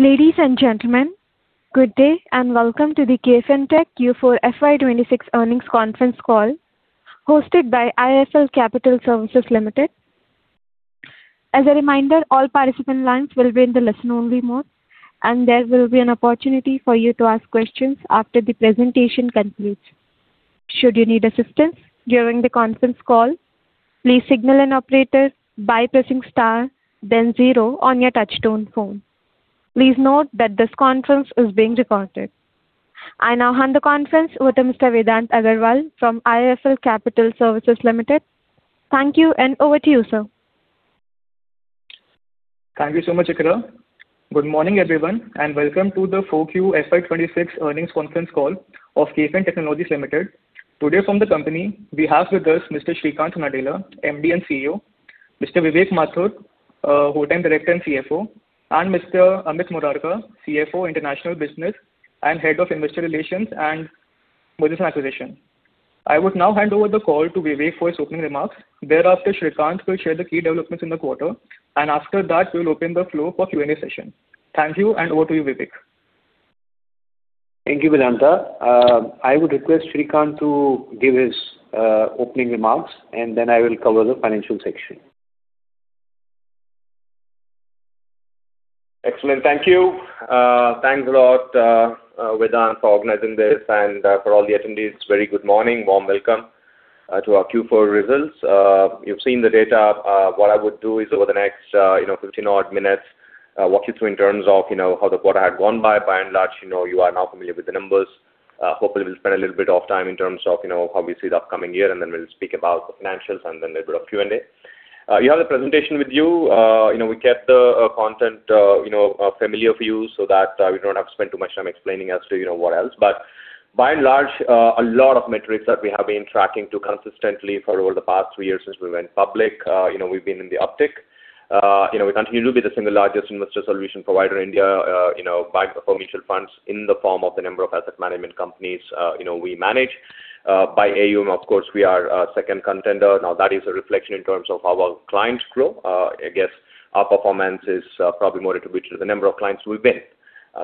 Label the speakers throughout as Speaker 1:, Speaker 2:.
Speaker 1: Ladies and gentlemen, good day, and welcome to the KFin Tech Q4 FY 2026 earnings conference call hosted by IIFL Capital Services Limited. As a reminder, all participant lines will be in the listen-only mode, and there will be an opportunity for you to ask questions after the presentation concludes. Should you need assistance during the conference call, please signal an operator by pressing star then zero on your touchtone phone. Please note that this conference is being recorded. I now hand the conference over to Mr. Vedant Agarwal from IIFL Capital Services Limited. Thank you, and over to you, sir.
Speaker 2: Thank you so much, Iqra. Good morning, everyone, welcome to the Q4 FY 2026 earnings conference call of KFin Technologies Limited. Today from the company we have with us Mr. Sreekanth Nadella, MD and CEO; Mr. Vivek Mathur, Whole-Time Director and CFO; and Mr. Amit Murarka, CFO, International Business and Head of Investor Relations and Mergers and Acquisition. I would now hand over the call to Vivek for his opening remarks. Thereafter, Sreekanth will share the key developments in the quarter, after that, we will open the floor for Q&A session. Thank you, over to you, Vivek.
Speaker 3: Thank you, Vedant. I would request Sreekanth Nadella to give his opening remarks, and then I will cover the financial section.
Speaker 4: Excellent. Thank you. Thanks a lot, Vedant for organizing this and for all the attendees, very good morning. Warm welcome to our Q4 results. You've seen the data. What I would do is over the next, you know, 15-odd minutes, walk you through in terms of, you know, how the quarter had gone by. By and large, you know, you are now familiar with the numbers. Hopefully, we'll spend a little bit of time in terms of, you know, how we see the upcoming year, and then we'll speak about the financials, and then a bit of Q&A. You have the presentation with you. You know, we kept the content, you know, familiar for you so that we don't have to spend too much time explaining as to, you know, what else. By and large, a lot of metrics that we have been tracking to consistently for over the past three years since we went public, you know, we've been in the uptick. You know, we continue to be the single largest investor solutions provider in India, you know, by the mutual funds in the form of the number of asset management companies, you know, we manage. By AUM, of course, we are a second contender. That is a reflection in terms of our clients' growth. I guess our performance is probably more attributable to the number of clients we win.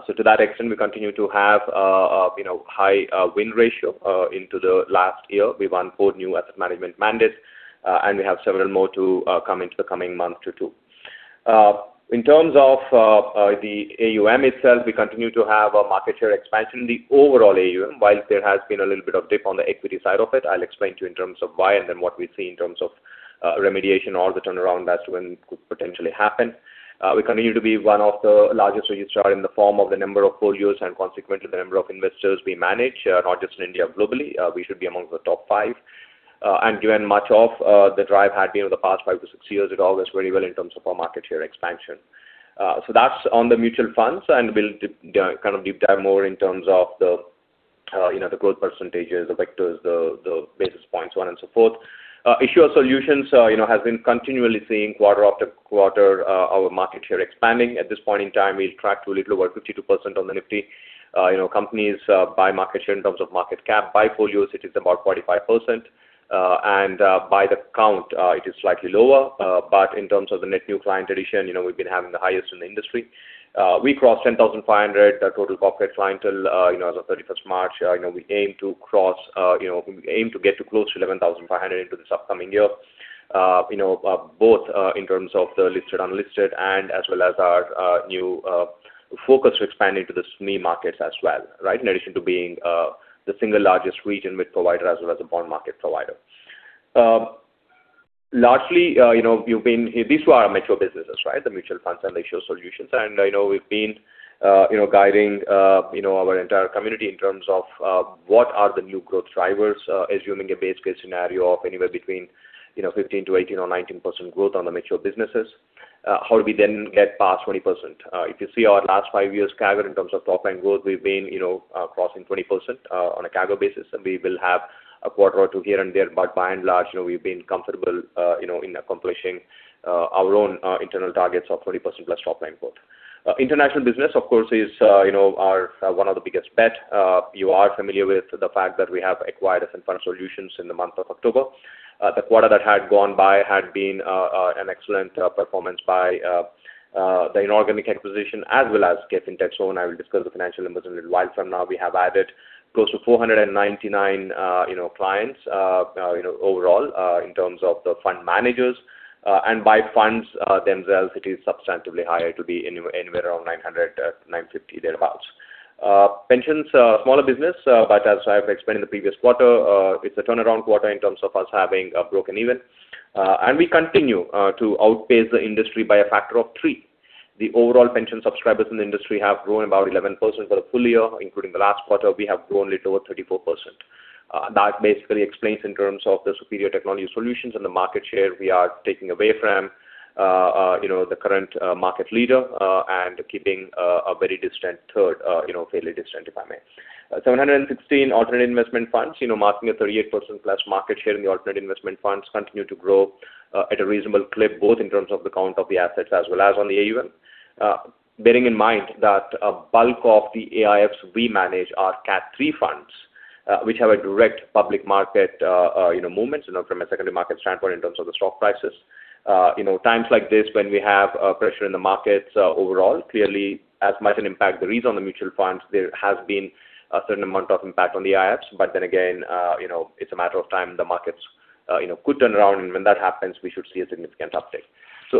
Speaker 4: So to that extent, we continue to have a, you know, high win ratio. Into the last year, we won four new asset management mandates, and we have several more to come into the coming month or two. In terms of the AUM itself, we continue to have a market share expansion in the overall AUM. Whilst there has been a little bit of dip on the equity side of it, I'll explain to you in terms of why and then what we see in terms of remediation or the turnaround as to when could potentially happen. We continue to be one of the largest registrar in the form of the number of folios and consequently the number of investors we manage, not just in India, globally. We should be among the top five. Given much of the drive had been over the past five to six years, it all goes very well in terms of our market share expansion. That's on the mutual funds, and we'll kind of deep dive more in terms of the, you know, the growth percentages, the vectors, the basis points, so on and so forth. Issuer solutions, you know, has been continually seeing quarter after quarter, our market share expanding. At this point in time, we track to a little over 52% on the NSE 500, you know, companies, by market share in terms of market cap by folios, it is about 45%. By the count, it is slightly lower. In terms of the net new client addition, you know, we've been having the highest in the industry. We crossed 10,500 total corporate clientele, you know, as of 31st March. You know, we aim to cross, you know, we aim to get to close to 11,500 into this upcoming year, you know, both in terms of the listed, unlisted and as well as our new focus to expand into the SME markets as well, right? In addition to being the single largest RTA provider as well as a bond market provider. Largely, you know, these two are our mature businesses, right? The mutual funds and the issuer solutions. I know we've been, you know, guiding, you know, our entire community in terms of, what are the new growth drivers, assuming a base case scenario of anywhere between, you know, 15%-18% or 19% growth on the mature businesses. How do we then get past 20%? If you see our last five years CAGR in terms of top-line growth, we've been, you know, crossing 20%, on a CAGR basis. We will have a quarter or two here and there, but by and large, you know, we've been comfortable, you know, in accomplishing, our own, internal targets of 20%+ top-line growth. International business, of course, is, you know, our one of the biggest bet. You are familiar with the fact that we have acquired Ascent Fund Solutions in the month of October. The quarter that had gone by had been an excellent performance by the inorganic acquisition as well as KFin Technologies. When I will discuss the financial numbers in a little while from now, we have added close to 499, you know, clients, you know, overall, in terms of the fund managers. And by funds themselves, it is substantively higher to be anywhere around 900, 950 thereabouts. Pensions, a smaller business, but as I've explained in the previous quarter, it's a turnaround quarter in terms of us having broken even. And we continue to outpace the industry by a factor of three. The overall pension subscribers in the industry have grown about 11% for the full year, including the last quarter. We have grown a little over 34%. That basically explains in terms of the superior technology solutions and the market share we are taking away from, you know, the current market leader, and keeping a very distant third, you know, fairly distant, if I may. 716 Alternative Investment Funds, you know, marking a 38% plus market share in the Alternative Investment Funds continue to grow at a reasonable clip, both in terms of the count of the assets as well as on the AUM. Bearing in mind that a bulk of the AIFs we manage are Cat III funds, which have a direct public market, you know, movements, you know, from a secondary market standpoint in terms of the stock prices. You know, times like this when we have pressure in the markets overall, clearly as much an impact there is on the mutual funds, there has been a certain amount of impact on the AIFs. Then again, you know, it's a matter of time the markets, you know, could turn around, and when that happens, we should see a significant uptick.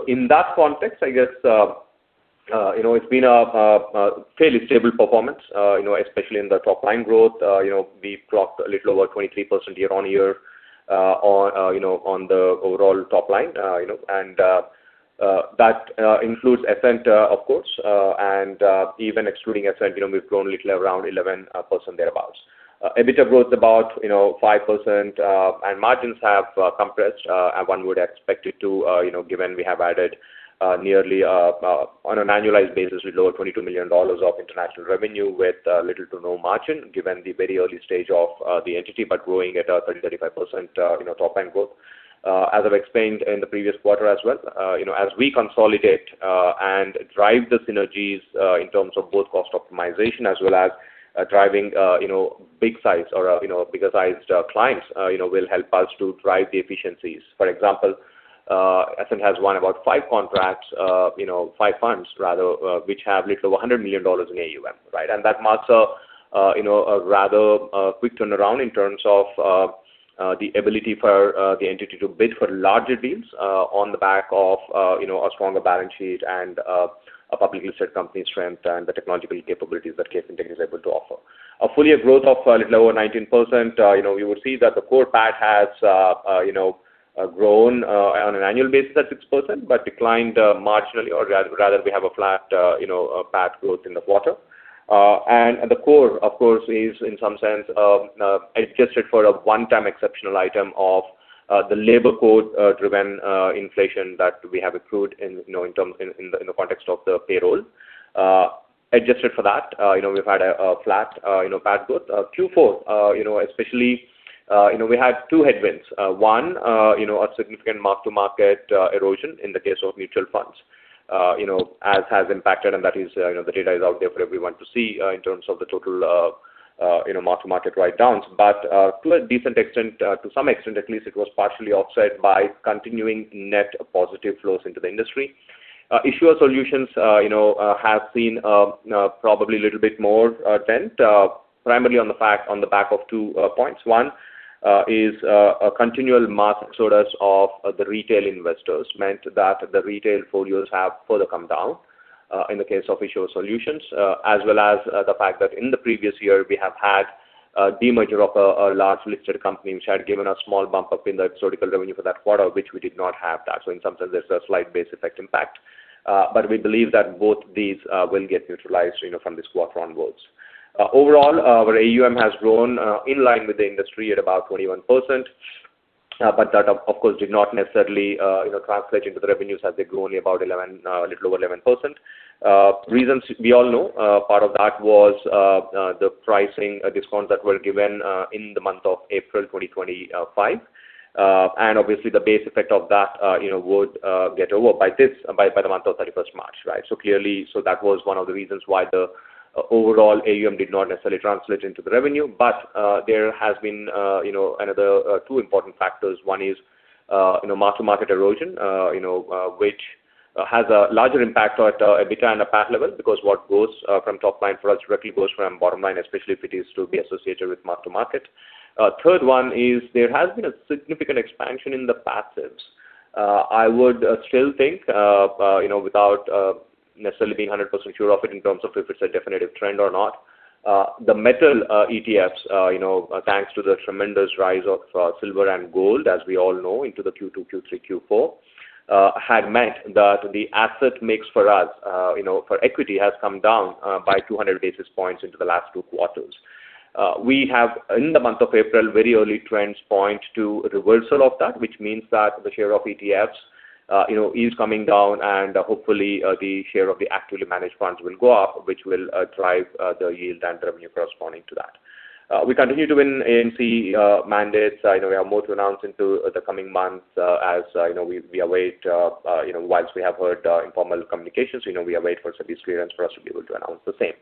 Speaker 4: In that context, I guess, you know, it's been a fairly stable performance, you know, especially in the top line growth. You know, we've dropped a little over 23% year-over-year, on, you know, on the overall top line. That, includes Ascent, of course, and, even excluding Ascent, you know, we've grown a little around 11% thereabouts. EBITDA growth about, you know, 5%, and margins have, compressed, and one would expect it to, you know, given we have added, nearly, on an annualized basis with over $22 million of international revenue with, little to no margin given the very early stage of, the entity but growing at a 30%-35%, you know, top line growth. As I've explained in the previous quarter as well, you know, as we consolidate and drive the synergies, in terms of both cost optimization as well as driving, you know, big size or, you know, bigger sized clients, will help us to drive the efficiencies. For example, Ascent has won about five contracts, you know, five funds rather, which have little over $100 million in AUM, right? That marks a, you know, a rather quick turnaround in terms of the ability for the entity to bid for larger deals on the back of, you know, a stronger balance sheet and a public listed company's strength and the technological capabilities that KFin Technologies is able to offer. A full year growth of a little over 19%, you know, you would see that the core PAT has, you know, grown on an annual basis at 6% but declined marginally or rather we have a flat, you know, PAT growth in the quarter. And the core of course is in some sense adjusted for a one-time exceptional item of the labor code driven inflation that we have accrued in, you know, in the context of the payroll. Adjusted for that, you know, we've had a flat, you know, PAT growth. Q4, you know, especially, you know, we had two headwinds. One, you know, a significant mark-to-market erosion in the case of mutual funds, you know, as has impacted and that is, you know, the data is out there for everyone to see, in terms of the total, you know, mark-to-market write downs. To a decent extent, to some extent at least it was partially offset by continuing net positive flows into the industry. Issuer solutions, you know, have seen, probably a little bit more dent, primarily on the back of two points. One, is, a continual mark exodus of the retail investors meant that the retail portfolios have further come down, in the case of issuer solutions. As well as the fact that in the previous year we have had a demerger of a large listed company which had given a small bump up in the historical revenue for that quarter which we did not have that. In some sense there is a slight base effect impact. But we believe that both these will get neutralized, you know, from this quarter onwards. Overall, our AUM has grown in line with the industry at about 21%. But that of course did not necessarily, you know, translate into the revenues as they grew only about 11%, a little over 11%. Reasons we all know, part of that was the pricing discounts that were given in the month of April 2025. Obviously the base effect of that, you know, would get over by the month of 31st March, right? Clearly that was one of the reasons why the overall AUM did not necessarily translate into the revenue. There has been, you know, another two important factors. One is, you know, mark-to-market erosion, you know, which has a larger impact at EBITDA and PAT level because what goes from top line for us directly goes from bottom line, especially if it is to be associated with mark-to-market. Third one is there has been a significant expansion in the passives. I would still think, you know, without necessarily being a 100% sure of it in terms of if it's a definitive trend or not. The metal, ETFs, you know, thanks to the tremendous rise of silver and gold as we all know into the Q2, Q3, Q4, had meant that the asset mix for us, you know, for equity has come down by 200 basis points into the last two quarters. In the month of April very early trends point to a reversal of that which means that the share of ETFs, you know, is coming down and hopefully, the share of the actively managed funds will go up, which will drive the yield and revenue corresponding to that. We continue to win AMC mandates. I know we have more to announce into the coming months, as you know, we await, you know, whilst we have heard informal communications, you know, we await for SEBI's clearance for us to be able to announce the same.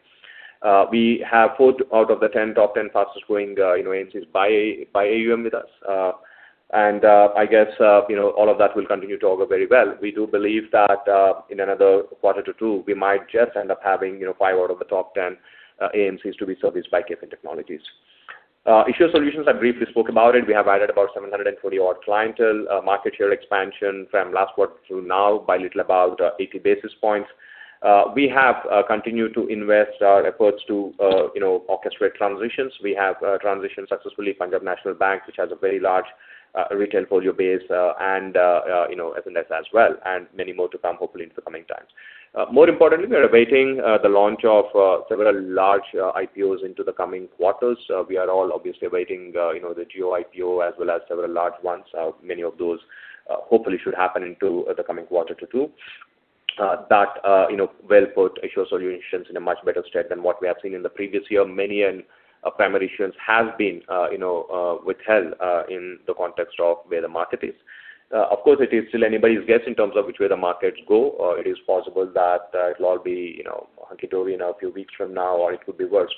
Speaker 4: We have four out of the 10 top 10 fastest growing, you know, AMCs by AUM with us. I guess, you know, all of that will continue to go very well. We do believe that in another quarter to two we might just end up having, you know, five out of the top 10 AMCs to be serviced by KFin Technologies. Issuer solutions I briefly spoke about it. We have added about 740 odd clientele. Market share expansion from last quarter through now by little about 80 basis points. We have continued to invest our efforts to, you know, orchestrate transitions. We have transitioned successfully Punjab National Bank which has a very large retail portfolio base and, you know, FNS as well and many more to come hopefully in the coming times. More importantly we are awaiting the launch of several large IPOs into the coming quarters. We are all obviously awaiting, you know, the Jio IPO as well as several large ones. Many of those hopefully should happen into the coming quarter to two. That, you know, well put issuing solutions in a much better state than what we have seen in the previous year. Many primary issuance has been, you know, withheld in the context of where the market is. Of course, it is still anybody's guess in terms of which way the markets go. It is possible that it'll all be, you know, hunky dory in a few weeks from now, or it could be worse.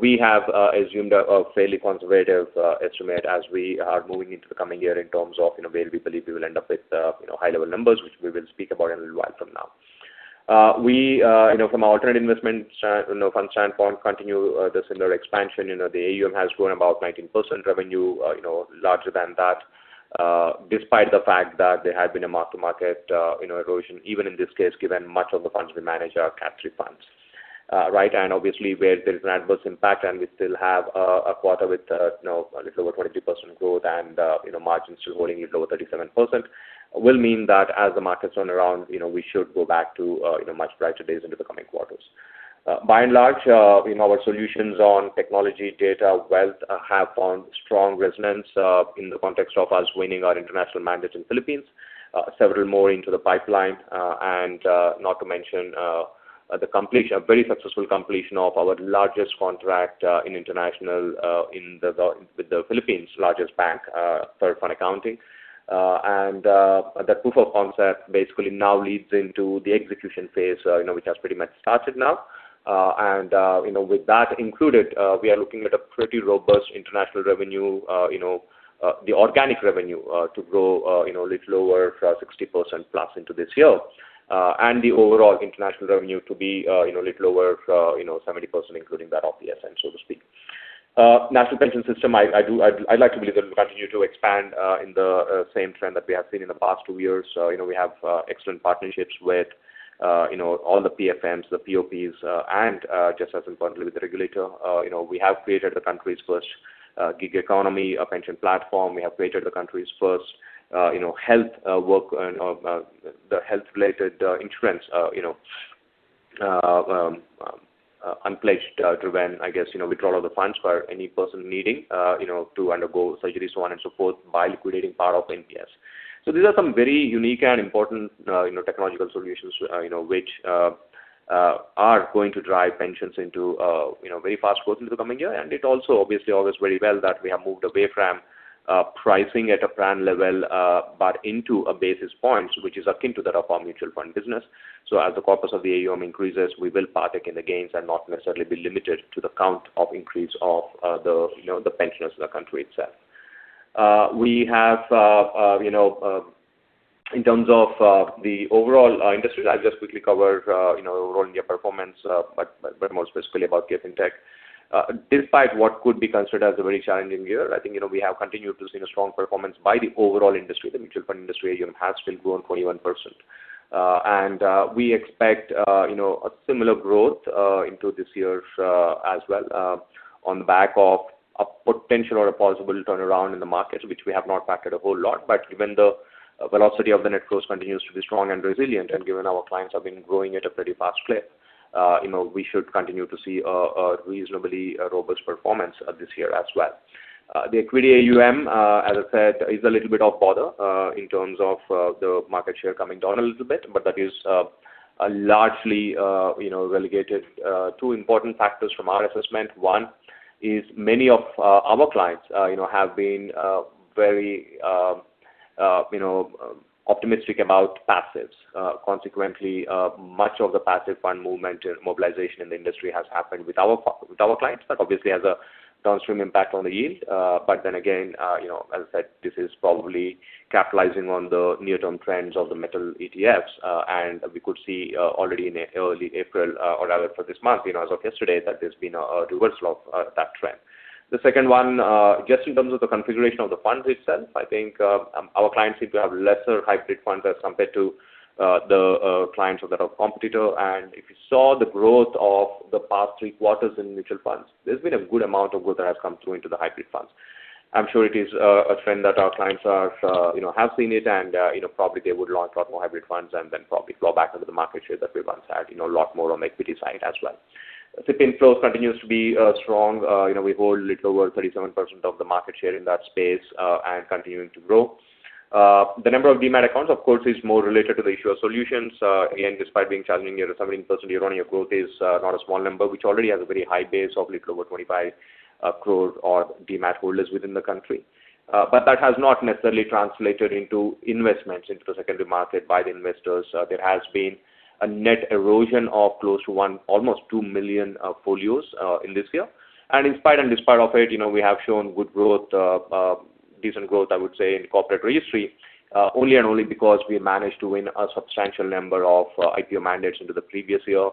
Speaker 4: We have assumed a fairly conservative estimate as we are moving into the coming year in terms of, you know, where we believe we will end up with, you know, high-level numbers, which we will speak about in a little while from now. We, you know, from our alternative investment fund standpoint continue the similar expansion. You know, the AUM has grown about 19% revenue, you know, larger than that, despite the fact that there had been a mark-to-market, you know, erosion, even in this case, given much of the funds we manage are Category III funds. Right, and obviously, where there's an adverse impact and we still have a quarter with, you know, a little over 23% growth and, you know, margins still holding a little over 37% will mean that as the markets turn around, you know, we should go back to, you know, much brighter days into the coming quarters. By and large, you know, our solutions on technology, data, wealth, have found strong resonance in the context of us winning our international mandates in Philippines. Several more into the pipeline, and not to mention a very successful completion of our largest contract in international with the Philippines' largest bank for fund accounting. That proof of concept basically now leads into the execution phase, you know, which has pretty much started now. You know, with that included, we are looking at a pretty robust international revenue, you know, the organic revenue to grow, you know, a little lower 60%+ into this year. The overall international revenue to be, you know, a little lower, you know, 70%, including that of the SM, so to speak. National Pension System, I'd like to believe that we'll continue to expand in the same trend that we have seen in the past two years. You know, we have excellent partnerships with, you know, all the PFMs, the POPs, and just as importantly, with the regulator. You know, we have created the country's first gig economy, a pension platform. We have created the country's first, you know, health, work and the health-related insurance, you know, unpledged to when, I guess, you know, withdrawal of the funds for any person needing, you know, to undergo surgeries, so on and so forth, by liquidating part of the NPS. These are some very unique and important technological solutions which are going to drive pensions into very fast growth into the coming year. It also obviously augurs very well that we have moved away from pricing at a plan level but into a basis points, which is akin to that of our mutual fund business. As the corpus of the AUM increases, we will partake in the gains and not necessarily be limited to the count of increase of the pensioners of the country itself. We have in terms of the overall industry, I'll just quickly cover overall India performance more specifically about KFin Technologies. Despite what could be considered as a very challenging year, I think, you know, we have continued to see a strong performance by the overall industry. The mutual fund industry AUM has still grown 21%. We expect, you know, a similar growth into this year as well, on the back of a potential or a possible turnaround in the markets, which we have not factored a whole lot. Given the velocity of the net close continues to be strong and resilient, and given our clients have been growing at a pretty fast clip, you know, we should continue to see a reasonably robust performance this year as well. The equity AUM, as I said, is a little bit of bother, in terms of the market share coming down a little bit, but that is largely, you know, relegated, two important factors from our assessment. One is many of our clients, you know, have been very, you know, optimistic about passives. Consequently, much of the passive fund movement and mobilization in the industry has happened with our clients. That obviously has a downstream impact on the yield. Then again, you know, as I said, this is probably capitalizing on the near-term trends of the metal ETFs. We could see already in early April, or rather for this month, you know, as of yesterday, that there's been a reversal of that trend. The second one, just in terms of the configuration of the funds itself, I think, our clients seem to have lesser hybrid funds as compared to the clients of that of competitor. If you saw the growth of the past three quarters in mutual funds, there's been a good amount of good that has come through into the hybrid funds. I'm sure it is a trend that our clients are, you know, have seen it and, you know, probably they would launch a lot more hybrid funds and then probably flow back into the market share that we once had, you know, a lot more on the equity side as well. SIP inflows continues to be strong. You know, we hold a little over 37% of the market share in that space and continuing to grow. The number of Demat accounts, of course, is more related to the issuer solutions. Again, despite being challenging year, a 17% year-on-year growth is not a small number, which already has a very high base of a little over 25 crore Demat holders within the country. That has not necessarily translated into investments into the secondary market by the investors. There has been a net erosion of close to almost 2 million folios in this year. Despite of it, you know, we have shown good growth, decent growth, I would say, in corporate registry, only and only because we managed to win a substantial number of IPO mandates into the previous year,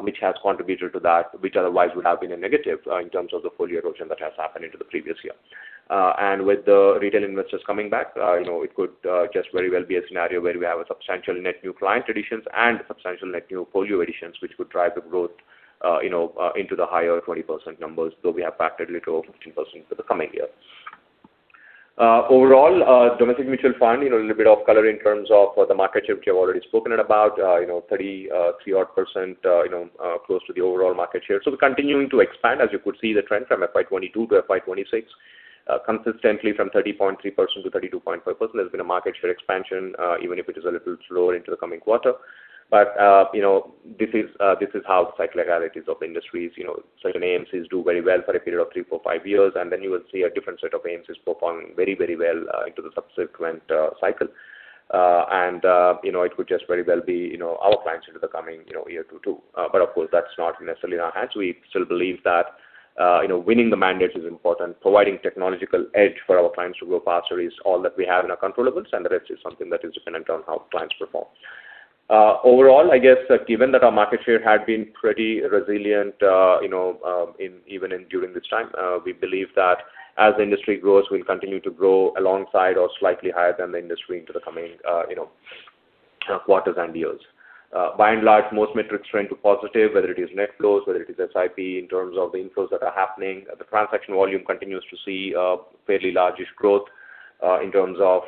Speaker 4: which has contributed to that, which otherwise would have been a negative in terms of the folio erosion that has happened into the previous year. With the retail investors coming back, you know, it could just very well be a scenario where we have a substantial net new client additions and substantial net new folio additions, which could drive the growth, you know, into the higher 20% numbers, though we have factored a little over 15% for the coming year. Overall, domestic mutual fund, you know, a little bit of color in terms of the market share, which we have already spoken at about, you know, 33 odd percent, you know, close to the overall market share. We're continuing to expand, as you could see the trend from FY 2022 to FY 2026. Consistently from 30.3% to 32.5% has been a market share expansion, even if it is a little slower into the coming quarter. You know, this is how cyclicality is of industries. You know, certain AMCs do very well for a period of three, four, five years, and then you will see a different set of AMCs perform very, very well, into the subsequent cycle. It would just very well be our clients into the coming year or two. Of course, that's not necessarily in our hands. We still believe that winning the mandates is important. Providing technological edge for our clients to grow faster is all that we have in our controllables, and the rest is something that is dependent on how clients perform. Overall, I guess, given that our market share had been pretty resilient even during this time, we believe that as the industry grows, we'll continue to grow alongside or slightly higher than the industry into the coming quarters and years. By and large, most metrics trend to positive, whether it is net flows, whether it is SIP in terms of the inflows that are happening. The transaction volume continues to see fairly largish growth, in terms of,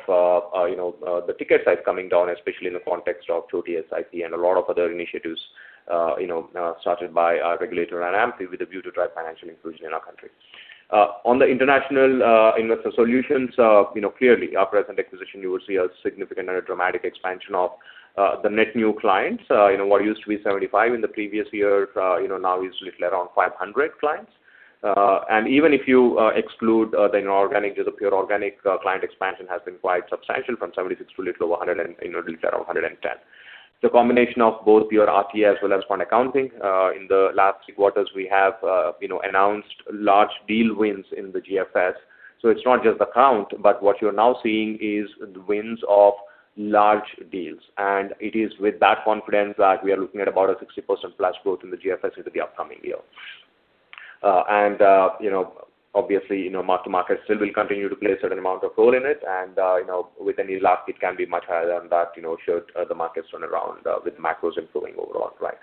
Speaker 4: you know, the ticket size coming down, especially in the context of Choti SIP, and a lot of other initiatives, you know, started by our regulator and AMFI with a view to drive financial inclusion in our country. On the international, investor solutions, you know, clearly our present acquisition, you will see a significant and a dramatic expansion of the net new clients. You know, what used to be 75 in the previous year, you know, now is little around 500 clients. Even if you exclude the inorganic, just the pure organic client expansion has been quite substantial from 76 to a little over 100 and little over 110. The combination of both pure RTAs as well as fund accounting in the last quarters we have announced large deal wins in the GFS. It's not just the count, but what you're now seeing is the wins of large deals. It is with that confidence that we are looking at about a 60% plus growth in the GFS into the upcoming year. You know, obviously, you know, market still will continue to play a certain amount of role in it and, you know, with any luck, it can be much higher than that, you know, should the market turn around with macros improving overall. Right.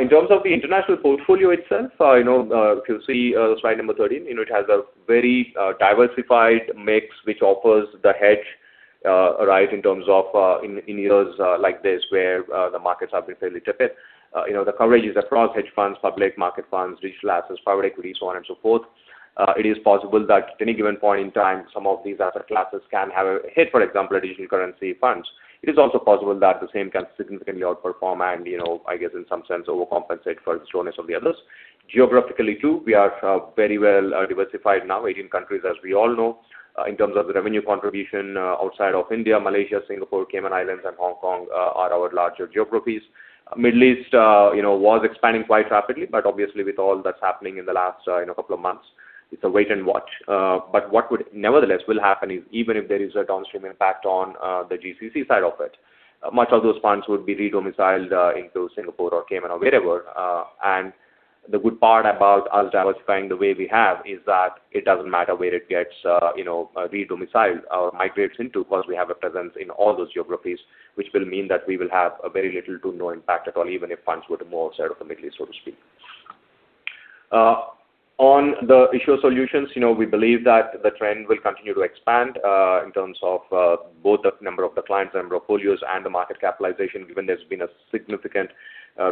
Speaker 4: In terms of the international portfolio itself, you know, you can see slide number 13. You know, it has a very diversified mix which offers the hedge, right in terms of, in years like this where the markets have been fairly tepid. You know, the coverage is across hedge funds, public market funds, digital assets, private equity, so on and so forth. It is possible that at any given point in time, some of these asset classes can have a hit, for example, digital currency funds. It is also possible that the same can significantly outperform and, you know, I guess in some sense overcompensate for the slowness of the others. Geographically too, we are very well diversified now. Asian countries, as we all know, in terms of the revenue contribution, outside of India, Malaysia, Singapore, Cayman Islands and Hong Kong, are our larger geographies. Middle East, you know, was expanding quite rapidly, but obviously with all that's happening in the last, couple of months, it's a wait and watch. What would nevertheless will happen is even if there is a downstream impact on the GCC side of it, much of those funds would be redomiciled into Singapore or Cayman or wherever. The good part about us diversifying the way we have is that it doesn't matter where it gets, you know, redomiciled or migrates into because we have a presence in all those geographies, which will mean that we will have a very little to no impact at all, even if funds were to move outside of the Middle East, so to speak. On the issuer solutions, you know, we believe that the trend will continue to expand in terms of both the number of the clients and portfolios and the market capitalization, given there's been a significant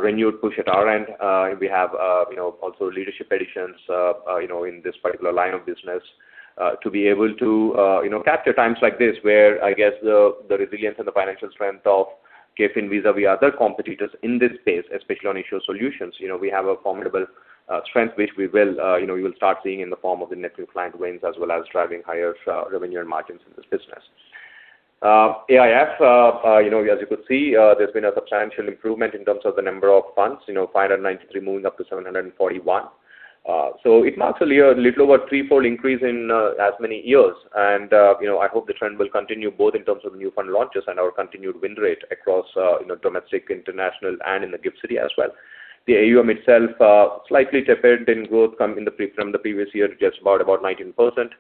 Speaker 4: renewed push at our end. We have, you know, also leadership additions, you know, in this particular line of business, to be able to, you know, capture times like this where I guess the resilience and the financial strength of KFin vis-à-vis other competitors in this space, especially on issuer solutions. You know, we have a formidable strength which we will, you know, you will start seeing in the form of the net new client wins, as well as driving higher revenue and margins in this business. AIF, you know, as you could see, there's been a substantial improvement in terms of the number of funds, you know, 593 moving up to 741. It marks a year, a little over threefold increase in as many years. You know, I hope the trend will continue both in terms of new fund launches and our continued win rate across, you know, domestic, international and in the gift city as well. The AUM itself, slightly tepid in growth come in from the previous year to just about 19%.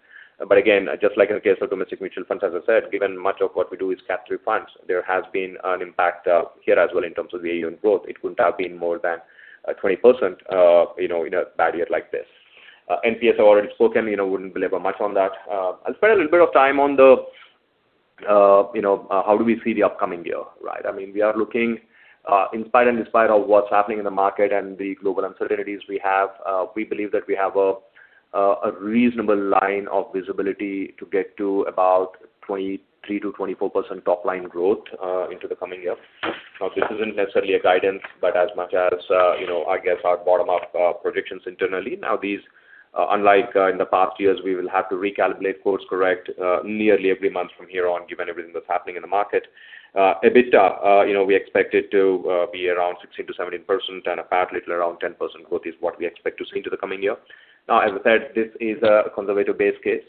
Speaker 4: Again, just like in the case of domestic mutual funds, as I said, given much of what we do is Category III AIFs, there has been an impact here as well in terms of the AUM growth. It wouldn't have been more than 20%, you know, in a bad year like this. NPS I've already spoken, you know, wouldn't belabor much on that. I'll spend a little bit of time on the, you know, how do we see the upcoming year, right? I mean, we are looking, in spite of what's happening in the market and the global uncertainties we have, we believe that we have a reasonable line of visibility to get to about 23%-24% top line growth into the coming year. This isn't necessarily a guidance, but as much as, you know, I guess our bottom-up predictions internally. These, unlike, in the past years, we will have to recalculate course correct nearly every month from here on, given everything that's happening in the market. EBITDA, you know, we expect it to be around 16%-17% and a PAT little around 10% growth is what we expect to see into the coming year. As I said, this is a conservative base case.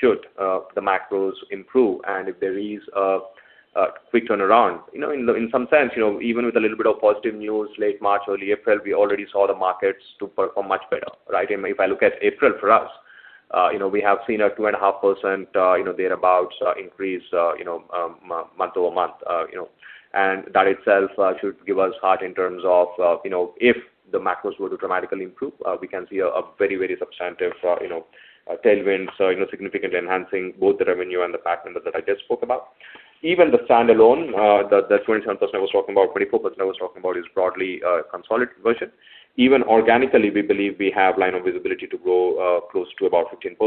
Speaker 4: Should the macros improve and if there is a quick turnaround. You know, in some sense, you know, even with a little bit of positive news, late March, early April, we already saw the markets to perform much better, right? I mean, if I look at April for us, you know, we have seen a 2.5%, you know, thereabout, increase, you know, month-over-month. You know, that itself should give us heart in terms of, you know, if the macros were to dramatically improve, we can see a very, very substantive, you know, tailwind. You know, significantly enhancing both the revenue and the PAT number that I just spoke about. The standalone, the 27% I was talking about, 24% I was talking about, is broadly consolidated version. Organically, we believe we have line of visibility to grow close to about 15%,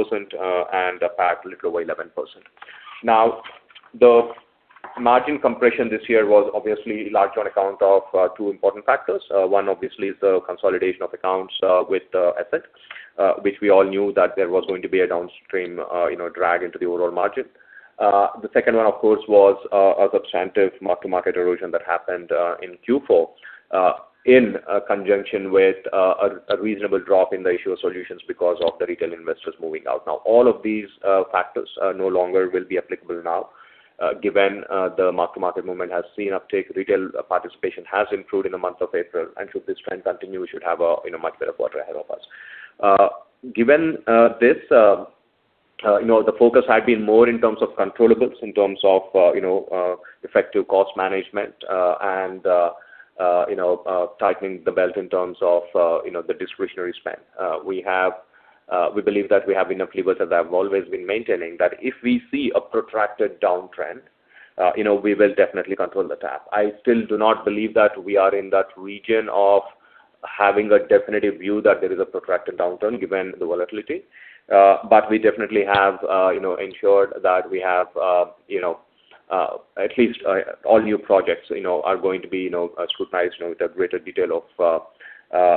Speaker 4: and PAT little over 11%. The margin compression this year was obviously large on account of two important factors. One obviously is the consolidation of accounts with Ascent, which we all knew that there was going to be a downstream, you know, drag into the overall margin. The second one, of course, was a substantive mark-to-market erosion that happened in Q4, in conjunction with a reasonable drop in the issuer solutions because of the retail investors moving out. Now, all of these factors, no longer will be applicable now, given the mark-to-market movement has seen uptake, retail participation has improved in the month of April. Should this trend continue, we should have a, you know, much better quarter ahead of us. Given this, you know, the focus had been more in terms of controllables, in terms of, you know, effective cost management, and, you know, tightening the belt in terms of, you know, the discretionary spend. We believe that we have been a flavor that I've always been maintaining, that if we see a protracted downtrend, you know, we will definitely control the tap. I still do not believe that we are in that region of having a definitive view that there is a protracted downturn given the volatility. We definitely have, you know, ensured that we have, you know, at least all new projects, you know, are going to be, you know, scrutinized, you know, with a greater detail of,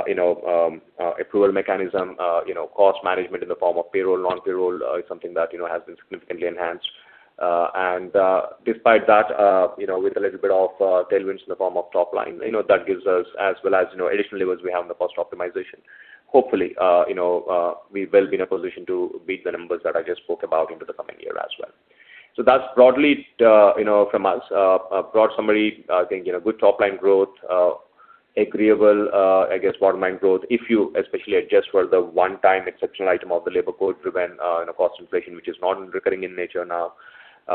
Speaker 4: you know, approval mechanism. You know, cost management in the form of payroll, non-payroll, is something that, you know, has been significantly enhanced. Despite that, you know, with a little bit of tailwinds in the form of top line, you know, that gives us as well as, you know, additional levers we have in the cost optimization. Hopefully, we will be in a position to beat the numbers that I just spoke about into the coming year as well. That's broadly from us. A broad summary, good top-line growth, agreeable, I guess bottom line growth, if you especially adjust for the one-time exceptional item of the labor code driven, in a cost inflation, which is non-recurring in nature now.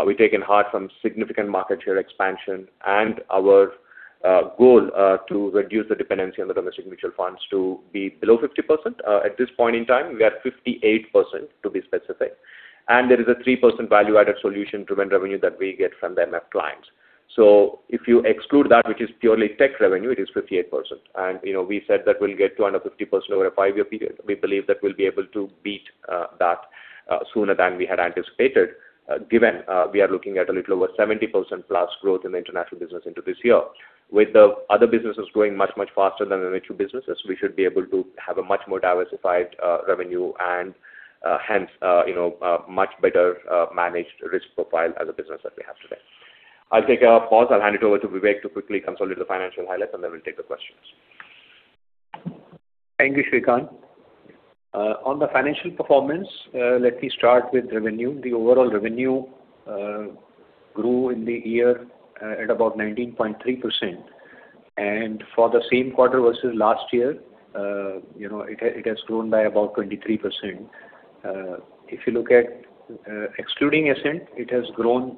Speaker 4: We've taken heart from significant market share expansion and our goal to reduce the dependency on the domestic mutual funds to be below 50%. At this point in time, we are at 58%, to be specific. There is a 3% value-added solution driven revenue that we get from the MF clients. If you exclude that, which is purely tech revenue, it is 58%. You know, we said that we'll get to under 50% over a five-year period. We believe that we'll be able to beat that sooner than we had anticipated, given we are looking at a little ov er 70% plus growth in the international business into this year. With the other businesses growing much, much faster than the mutual businesses, we should be able to have a much more diversified revenue and hence, you know, a much better managed risk profile as a business that we have today. I'll take a pause. I'll hand it over to Vivek to quickly consolidate the financial highlights, and then we'll take the questions.
Speaker 3: Thank you, Sreekanth. On the financial performance, let me start with revenue. The overall revenue grew in the year at about 19.3%. For the same quarter versus last year, it has grown by about 23%. If you look at excluding Ascent, it has grown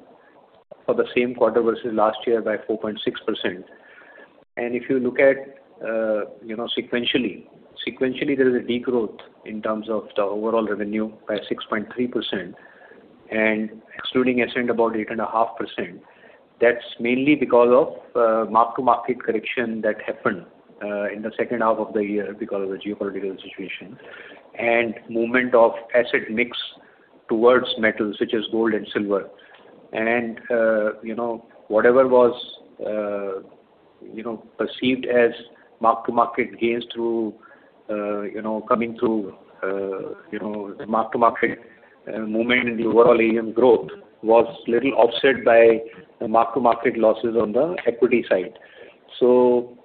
Speaker 3: for the same quarter versus last year by 4.6%. If you look at sequentially. Sequentially, there is a degrowth in terms of the overall revenue by 6.3%, and excluding Ascent about 8.5%. That's mainly because of mark-to-market correction that happened in the second half of the year because of the geopolitical situation and movement of asset mix towards metals such as gold and silver. Whatever was perceived as mark-to-market gains through coming through the mark-to-market movement in the overall AUM growth was little offset by the mark-to-market losses on the equity side.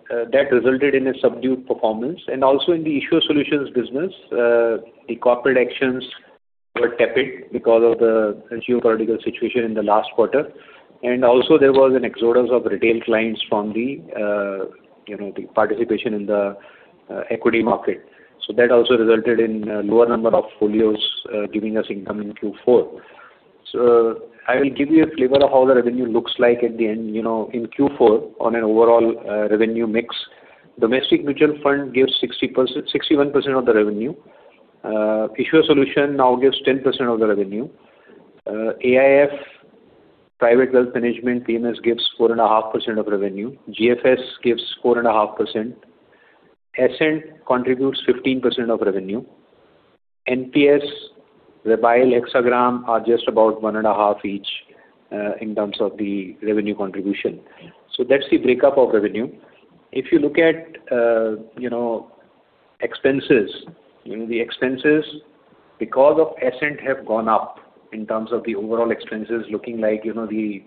Speaker 3: That resulted in a subdued performance. Also in the issuer solutions business, the corporate actions were tepid because of the geopolitical situation in the last quarter. Also there was an exodus of retail clients from the participation in the equity market. That also resulted in a lower number of folios, giving us income in Q4. I will give you a flavor of how the revenue looks like at the end. You know, in Q4, on an overall revenue mix, domestic mutual fund gives 61% of the revenue. Issuer solution now gives 10% of the revenue. AIF, private wealth management, PMS gives 4.5% of revenue. GFS gives 4.5%. Ascent contributes 15% of revenue. NPS, [Rebiel], Hexagram are just about 1.5% each in terms of the revenue contribution. That's the breakup of revenue. If you look at, you know, expenses. You know, the expenses because of Ascent have gone up in terms of the overall expenses looking like, you know, the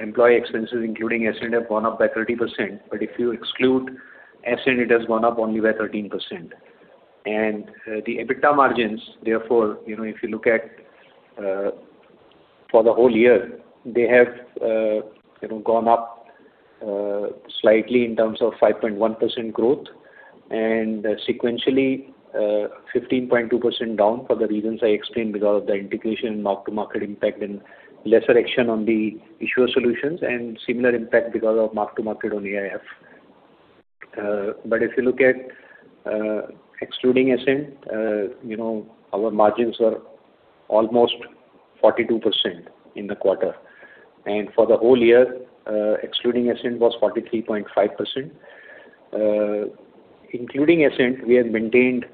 Speaker 3: employee expenses, including Ascent, have gone up by 30%. If you exclude Ascent, it has gone up only by 13%. The EBITDA margins, therefore, if you look at for the whole year, they have gone up slightly in terms of 5.1% growth and sequentially 15.2% down for the reasons I explained because of the integration and mark-to-market impact and lesser action on the issuer solutions and similar impact because of mark-to-market on AIF. If you look at excluding Ascent, our margins are almost 42% in the quarter. For the whole year, excluding Ascent was 43.5%. Including Ascent, we have maintained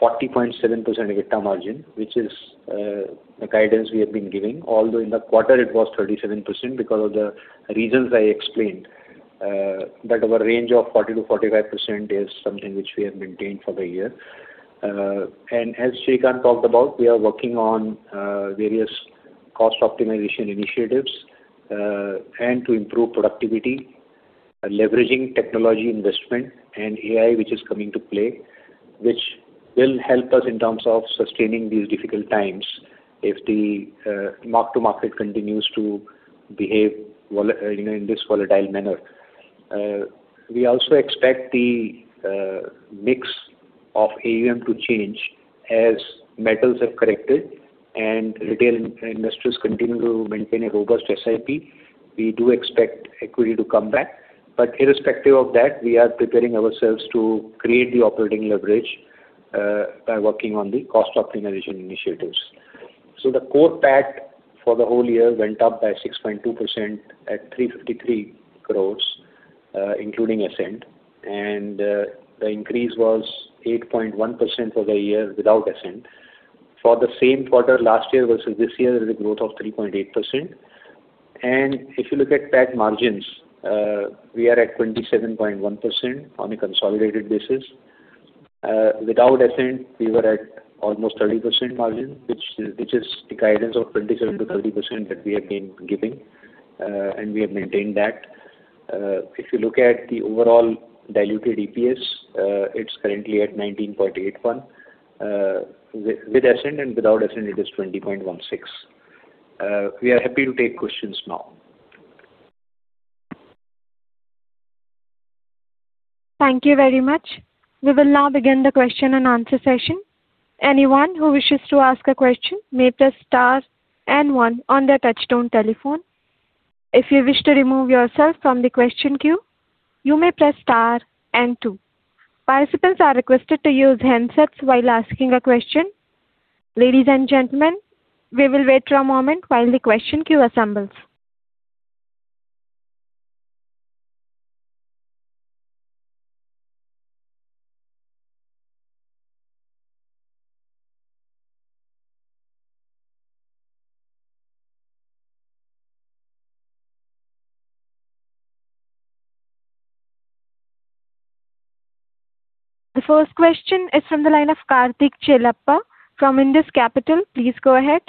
Speaker 3: 40.7% EBITDA margin, which is the guidance we have been giving. In the quarter it was 37% because of the reasons I explained. Our range of 40%-45% is something which we have maintained for the year. As Sreekanth talked about, we are working on various cost optimization initiatives and to improve productivity, leveraging technology investment and AI, which is coming to play, which will help us in terms of sustaining these difficult times if the mark-to-market continues to behave you know, in this volatile manner. We also expect the mix of AUM to change as metals have corrected and retail investors continue to maintain a robust SIP. We do expect equity to come back. Irrespective of that, we are preparing ourselves to create the operating leverage by working on the cost optimization initiatives. The core PAT for the whole year went up by 6.2% at 353 crore, including Ascent, and the increase was 8.1% for the year without Ascent. For the same quarter last year versus this year, there's a growth of 3.8%. If you look at PAT margins, we are at 27.1% on a consolidated basis. Without Ascent, we were at almost 30% margin, which is the guidance of 27%-30% that we have been giving, and we have maintained that. If you look at the overall diluted EPS, it's currently at 19.81. With Ascent and without Ascent it is 20.16. We are happy to take questions now.
Speaker 1: Thank you very much. We will now begin the question-and-answer session. Anyone who wishes to ask a question may press star one on their touchtone telephone. If you wish to remove yourself from the question queue, you may press star two. Participants are requested to use handsets while asking a question. Ladies and gentlemen, we will wait for a moment while the question queue assembles. The first question is from the line of Karthik Chellappa from Indus Capital. Please go ahead.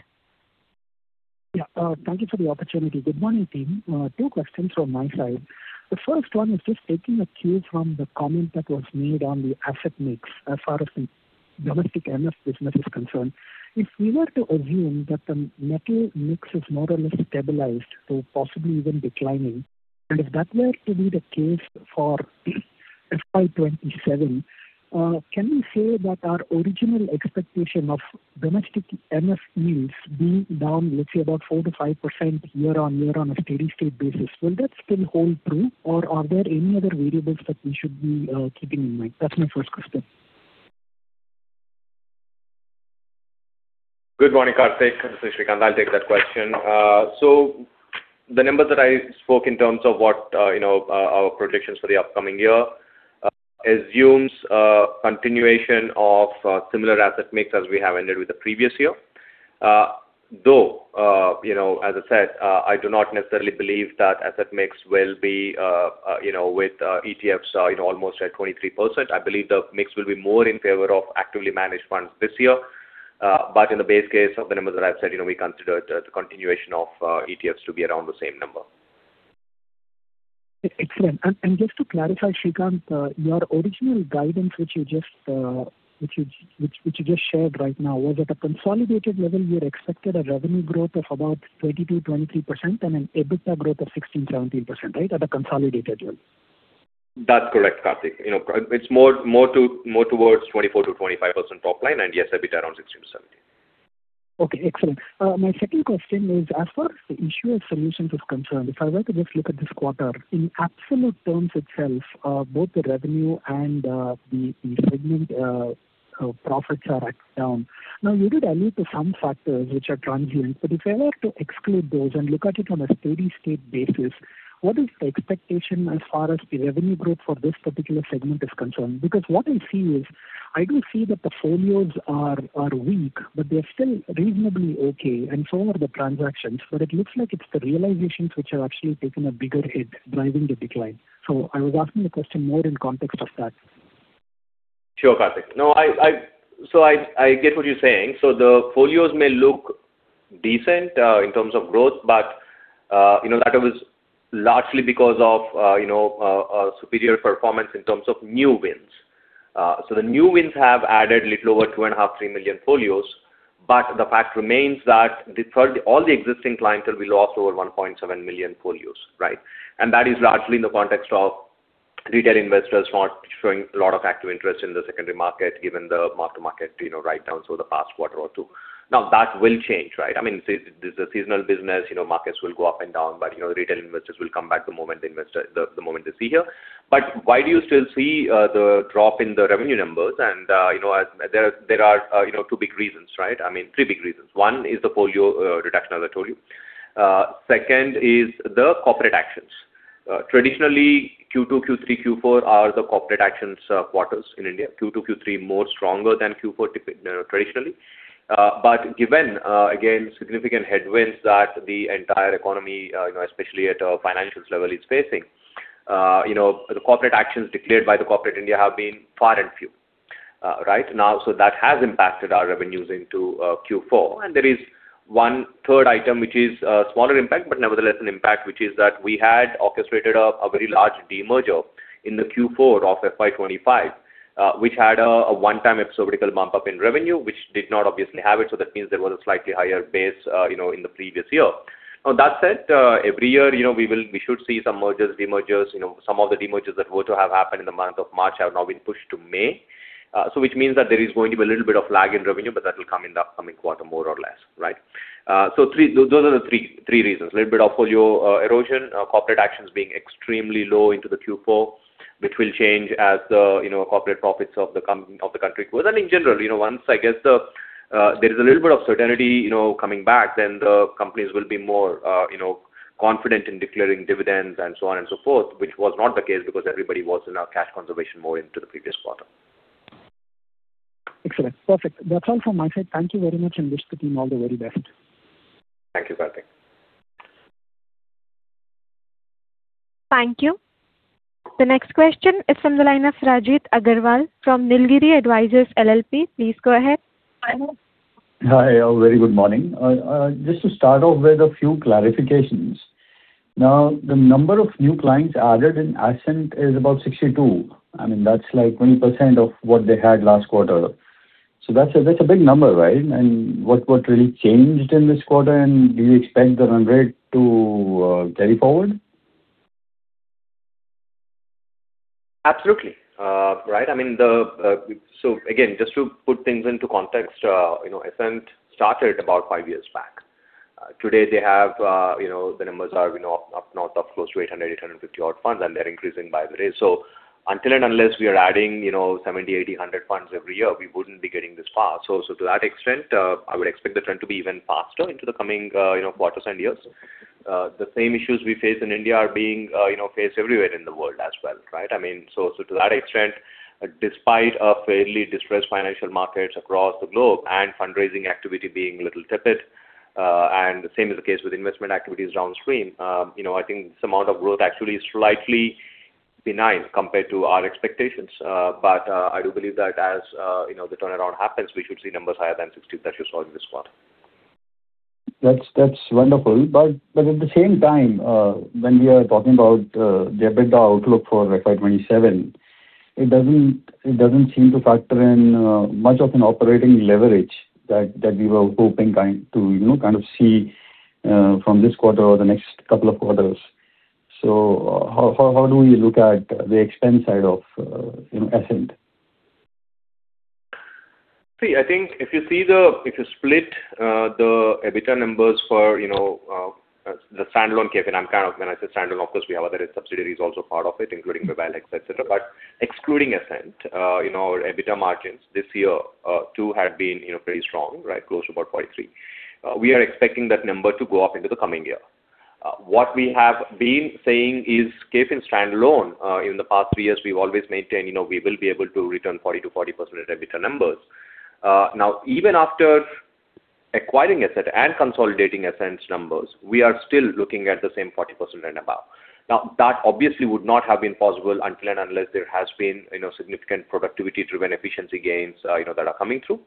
Speaker 5: Yeah. Thank you for the opportunity. Good morning, team. Two questions from my side. The first one is just taking a cue from the comment that was made on the asset mix as far as the domestic MF business is concerned. If we were to assume that the asset mix is more or less stabilized, so possibly even declining, and if that were to be the case for FY 2027, can we say that our original expectation of domestic MF yields being down, let’s say, about 4%-5% year-on-year on a steady-state basis, will that still hold true? Are there any other variables that we should be keeping in mind? That’s my first question.
Speaker 4: Good morning, Karthik. This is Sreekanth. I'll take that question. The numbers that I spoke in terms of what, you know, our predictions for the upcoming year, assumes continuation of similar asset mix as we have ended with the previous year. You know, as I said, I do not necessarily believe that asset mix will be, you know, with ETFs, you know, almost at 23%. I believe the mix will be more in favor of actively managed funds this year. In the base case of the numbers that I've said, you know, we consider the continuation of ETFs to be around the same number.
Speaker 5: Excellent. Just to clarify, Sreekanth, your original guidance, which you just shared right now, was at a consolidated level you had expected a revenue growth of about 22%-23% and an EBITDA growth of 16%-17%, right? At a consolidated level.
Speaker 4: That's correct, Karthik. You know, it's more towards 24%-25% top line, and yes, EBITDA around 16%-17%.
Speaker 5: Okay. Excellent. My second question is as far as the issuer solutions is concerned, if I were to just look at this quarter, in absolute terms itself, both the revenue and the segment profits are down. You did allude to some factors which are transient, but if I were to exclude those and look at it on a steady-state basis, what is the expectation as far as the revenue growth for this particular segment is concerned? What I see is I do see that the folios are weak, but they're still reasonably okay, and so are the transactions. It looks like it's the realizations which have actually taken a bigger hit driving the decline. I was asking the question more in context of that.
Speaker 4: Sure, Karthik. No, I get what you're saying. The folios may look decent, in terms of growth but, you know, that was largely because of, you know, superior performance in terms of new wins. The new wins have added a little over 2.5 million, 3 million folios, but the fact remains that all the existing clientele we lost over 1.7 million folios, right. That is largely in the context of retail investors not showing a lot of active interest in the secondary market, given the mark-to-market, you know, write-down, the past quarter or two. That will change, right? I mean, this is a seasonal business, you know, markets will go up and down, you know, retail investors will come back the moment they invest, the moment they see here. Why do you still see the drop in the revenue numbers? You know, there are, you know, two big reasons, right? I mean, three big reasons. One is the folio reduction, as I told you. Second is the corporate actions. Traditionally, Q2, Q3, Q4 are the corporate actions quarters in India. Q2, Q3 more stronger than Q4 traditionally. Given, again, significant headwinds that the entire economy, you know, especially at a financials level is facing, you know, the corporate actions declared by the corporate India have been far and few right now. That has impacted our revenues into Q4. There is one third item which is smaller impact, but nevertheless an impact, which is that we had orchestrated a very large demerger in the Q4 of FY 2025, which had a one-time episodical bump up in revenue, which did not obviously have it, so that means there was a slightly higher base, you know, in the previous year. That said, every year, you know, we should see some mergers, demergers. You know, some of the demergers that were to have happened in the month of March have now been pushed to May. Which means that there is going to be a little bit of lag in revenue, but that will come in the upcoming quarter, more or less, right? Those are the three reasons. A little bit of folio erosion, corporate actions being extremely low into the Q4, which will change as the, you know, corporate profits of the country grows. In general, you know, once I guess, there is a little bit of certainty, you know, coming back, then the companies will be more, you know, confident in declaring dividends and so on and so forth, which was not the case because everybody was in a cash conservation mode into the previous quarter.
Speaker 5: Excellent. Perfect. That's all from my side. Thank you very much, and wish the team all the very best.
Speaker 4: Thank you, Karthik.
Speaker 1: Thank you. The next question is from the line of Rajit Aggarwal from Nilgiri Advisors LLP. Please go ahead.
Speaker 6: Hi. A very good morning. Just to start off with a few clarifications. Now, the number of new clients added in Ascent is about 62. I mean, that's like 20% of what they had last quarter. That's a big number, right? What really changed in this quarter, and do you expect the run rate to carry forward?
Speaker 4: Absolutely. Right. I mean, the again, just to put things into context, you know, Ascent started about five years back. Today they have, you know, the numbers are, you know, up north of close to 800, 850 odd funds, and they're increasing by the day. Until and unless we are adding, you know, 70, 80, 100 funds every year, we wouldn't be getting this far. To that extent, I would expect the trend to be even faster into the coming, you know, quarters and years. The same issues we face in India are being, you know, faced everywhere in the world as well, right? I mean, so to that extent, despite a fairly distressed financial markets across the globe and fundraising activity being a little tepid, and the same is the case with investment activities downstream, you know, I think this amount of growth actually is slightly benign compared to our expectations. I do believe that as, you know, the turnaround happens, we should see numbers higher than 60 that you saw in this quarter.
Speaker 6: That's wonderful. At the same time, when we are talking about the EBITDA outlook for FY 2027, it doesn't seem to factor in much of an operating leverage that we were hoping to, you know, kind of see from this quarter or the next couple of quarters. How do you look at the expense side of, you know, Ascent?
Speaker 4: See, I think if you see the, if you split the EBITDA numbers for, you know, the standalone KFin, when I say standalone, of course we have other subsidiaries also part of it, including WebileApps, et cetera. But excluding Ascent, you know, our EBITDA margins this year too have been, you know, pretty strong, right? Close to about 43%. We are expecting that number to go up into the coming year. What we have been saying is KFin standalone, in the past three years, we've always maintained, you know, we will be able to return 40% of EBITDA numbers. Now, even after acquiring Ascent and consolidating Ascent's numbers, we are still looking at the same 40% and above. That obviously would not have been possible until and unless there has been, you know, significant productivity-driven efficiency gains, you know, that are coming through.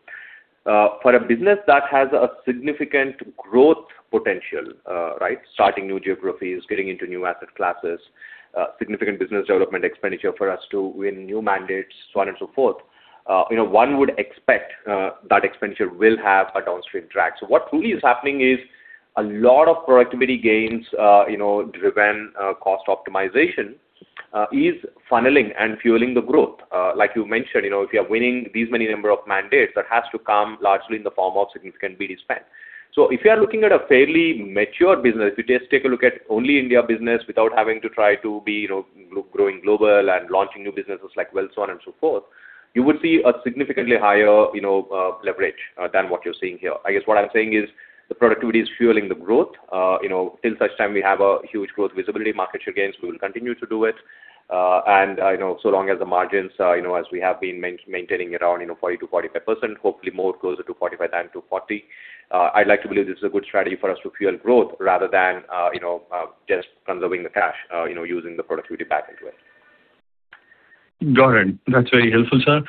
Speaker 4: For a business that has a significant growth potential, right? Starting new geographies, getting into new asset classes, significant business development expenditure for us to win new mandates, so on and so forth, you know, one would expect that expenditure will have a downstream track. What truly is happening is a lot of productivity gains, you know, driven, cost optimization, is funneling and fueling the growth. Like you mentioned, you know, if you are winning these many number of mandates, that has to come largely in the form of significant bill spend. If you are looking at a fairly mature business, if you just take a look at only India business without having to try to be, you know, growing global and launching new businesses like Wealth, so on and so forth, you would see a significantly higher, you know, leverage than what you're seeing here. I guess what I'm saying is the productivity is fueling the growth. You know, till such time we have a huge growth visibility market share gains, we will continue to do it. You know, so long as the margins, you know, as we have been maintaining around, you know, 40%-45%, hopefully more closer to 45% than to 40%, I'd like to believe this is a good strategy for us to fuel growth rather than, you know, just conserving the cash, you know, using the productivity back into it.
Speaker 6: Got it. That's very helpful, sir.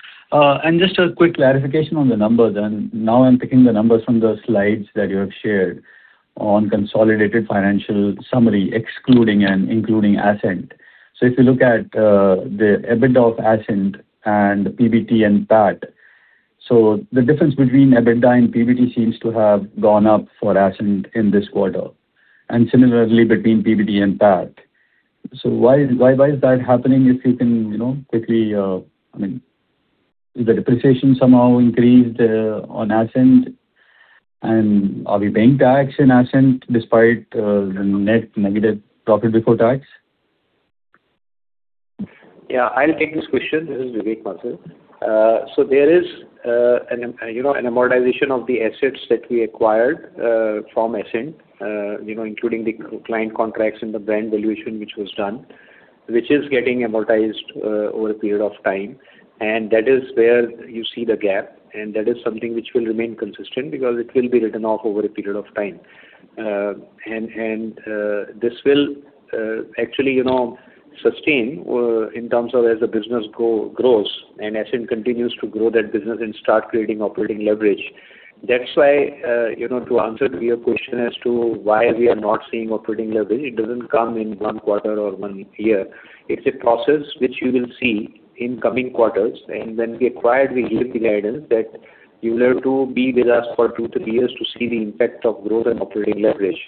Speaker 6: Just a quick clarification on the numbers, now I'm picking the numbers from the slides that you have shared on consolidated financial summary, excluding and including Ascent. If you look at, the EBITDA of Ascent and PBT and PAT. The difference between EBITDA and PBT seems to have gone up for Ascent in this quarter, and similarly between PBT and PAT. Why is that happening? If you can, you know, quickly. I mean, is the depreciation somehow increased on Ascent? Are we paying tax in Ascent despite the net negative profit before tax?
Speaker 3: Yeah, I'll take this question. This is Vivek Mathur. So there is an, you know, an amortization of the assets that we acquired from Ascent, you know, including the client contracts and the brand valuation which was done, which is getting amortized over a period of time. That is where you see the gap, and that is something which will remain consistent because it will be written off over a period of time. This will actually, you know, sustain in terms of as the business grows and Ascent continues to grow that business and start creating operating leverage. That's why, you know, to answer to your question as to why we are not seeing operating leverage, it doesn't come in one quarter or one year. It's a process which you will see in coming quarters. When we acquired, we gave the guidance that you will have to be with us for two to three years to see the impact of growth and operating leverage,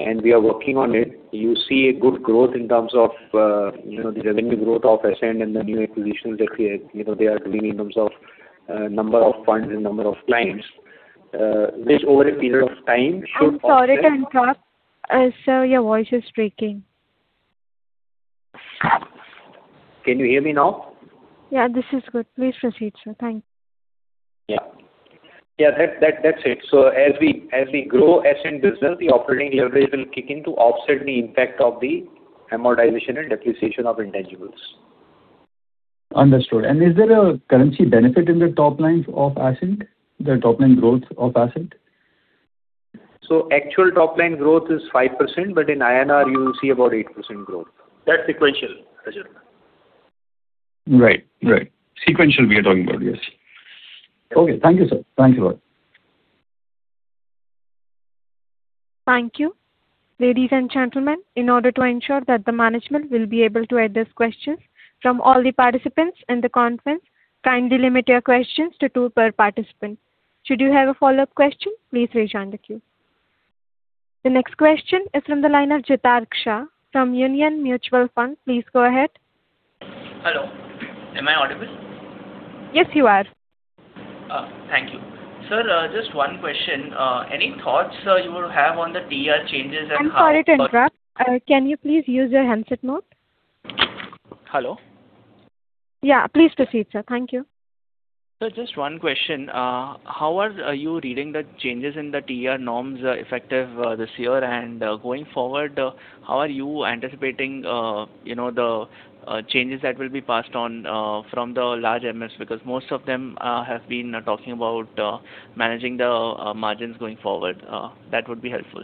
Speaker 3: and we are working on it. You see a good growth in terms of, you know, the revenue growth of Ascent and the new acquisitions that we, you know, they are doing in terms of number of funds and number of clients, which over a period of time should offset.
Speaker 1: I'm sorry to interrupt. Sir, your voice is breaking.
Speaker 3: Can you hear me now?
Speaker 1: Yeah. This is good. Please proceed, sir. Thank you.
Speaker 3: Yeah. Yeah. That's it. As we grow Ascent business, the operating leverage will kick in to offset the impact of the amortization and depreciation of intangibles.
Speaker 6: Understood. Is there a currency benefit in the top line of Ascent, the top-line growth of Ascent?
Speaker 3: Actual top-line growth is 5%, but in INR you will see about 8% growth. That's sequential, Rajit.
Speaker 6: Right. Right. Sequential we are talking about. Yes. Okay. Thank you, sir. Thanks a lot.
Speaker 1: Thank you. Ladies and gentlemen, in order to ensure that the management will be able to address questions from all the participants in the conference, kindly limit your questions to two per participant. Should you have a follow-up question, please raise your hand again. The next question is from the line of Jitark Shah from Union Mutual Fund. Please go ahead.
Speaker 7: Hello. Am I audible?
Speaker 1: Yes, you are.
Speaker 7: Thank you. Sir, just one question. Any thoughts, sir, you would have on the TER changes?
Speaker 1: I'm sorry to interrupt. Can you please use your handset mode?
Speaker 7: Hello?
Speaker 1: Yeah. Please proceed, sir. Thank you.
Speaker 7: Sir, just one question. How are you reading the changes in the TER norms effective this year? Going forward, how are you anticipating, you know, the changes that will be passed on from the large MS? Because most of them have been talking about managing the margins going forward. That would be helpful.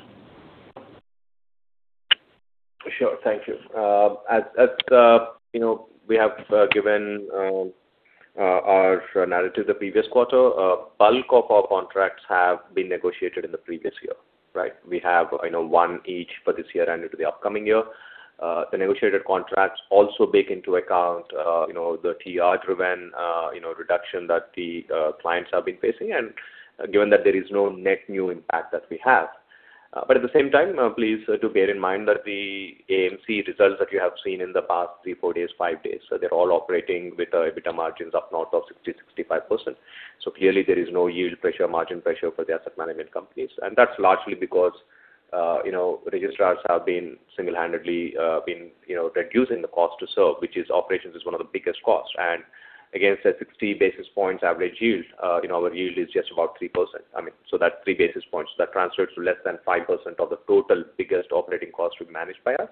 Speaker 4: Sure. Thank you. As you know, we have given our narrative the previous quarter. Bulk of our contracts have been negotiated in the previous year, right? We have, you know, one each for this year and into the upcoming year. The negotiated contracts also take into account, you know, the TER driven, you know, reduction that the clients have been facing and given that there is no net new impact that we have. At the same time, please do bear in mind that the AMC results that you have seen in the past three, four, five days are all operating with EBITDA margins of north of 60%-65%. Clearly there is no yield pressure, margin pressure for the asset management companies. That's largely because, you know, registrars have been single-handedly been, you know, reducing the cost to serve, which is operations is one of the biggest costs. Again, it's a 60 basis points average yield. You know, our yield is just about 3%. I mean, so that 3 basis points, that translates to less than 5% of the total biggest operating cost to be managed by us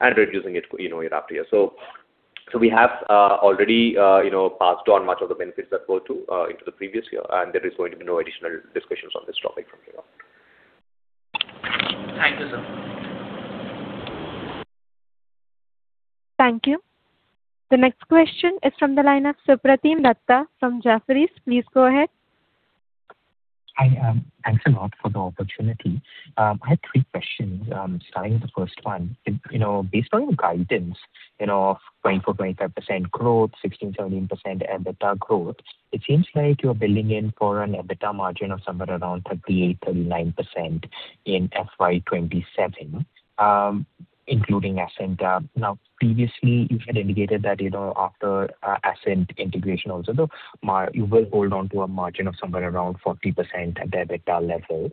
Speaker 4: and reducing it, you know, year after year. We have already, you know, passed on much of the benefits that were to into the previous year, and there is going to be no additional discussions on this topic from hereon.
Speaker 7: Thank you, sir.
Speaker 1: Thank you. The next question is from the line of Supratim Datta from Jefferies. Please go ahead.
Speaker 8: Hi. Thanks a lot for the opportunity. I had three questions. Starting with the first one. Based on your guidance of 24%-25% growth, 16%-17% EBITDA growth, it seems like you're building in for an EBITDA margin of somewhere around 38%-39% in FY 2027, including Ascent. Now previously you had indicated that after Ascent integration also you will hold on to a margin of somewhere around 40% at the EBITDA level.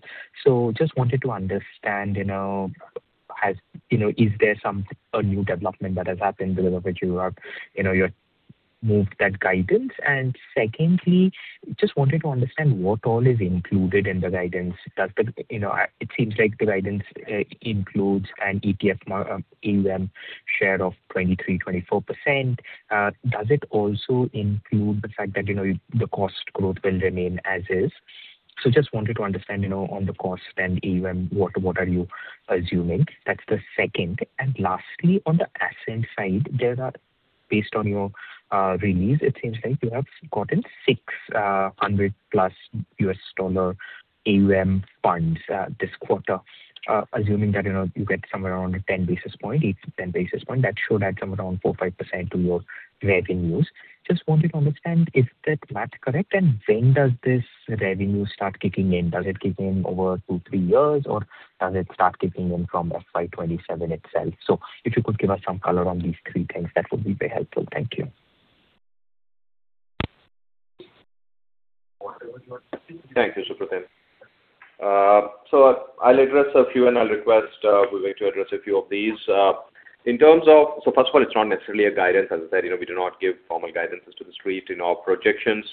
Speaker 8: Just wanted to understand, is there a new development that has happened because of which you are, you've moved that guidance? Secondly, just wanted to understand what all is included in the guidance. You know, it seems like the guidance includes an ETF AUM share of 23%-24%. Does it also include the fact that, you know, the cost growth will remain as is? Just wanted to understand, you know, on the cost and AUM, what are you assuming? That's the second. Lastly, on the Ascent side, based on your release, it seems like you have gotten six $100 million+ AUM fund this quarter. Assuming that, you know, you get somewhere around a 10 basis points, 8-10 basis points, that should add some around 4%-5% to your revenues. Just wanted to understand, is that math correct? When does this revenue start kicking in? Does it kick in over two to three years, or does it start kicking in from FY 2027 itself? If you could give us some color on these three things, that would be very helpful. Thank you.
Speaker 4: Thank you, Supratim. I'll address a few, and I'll request Vivek to address a few of these. First of all, it's not necessarily a guidance. As I said, you know, we do not give formal guidances to the street in our projections.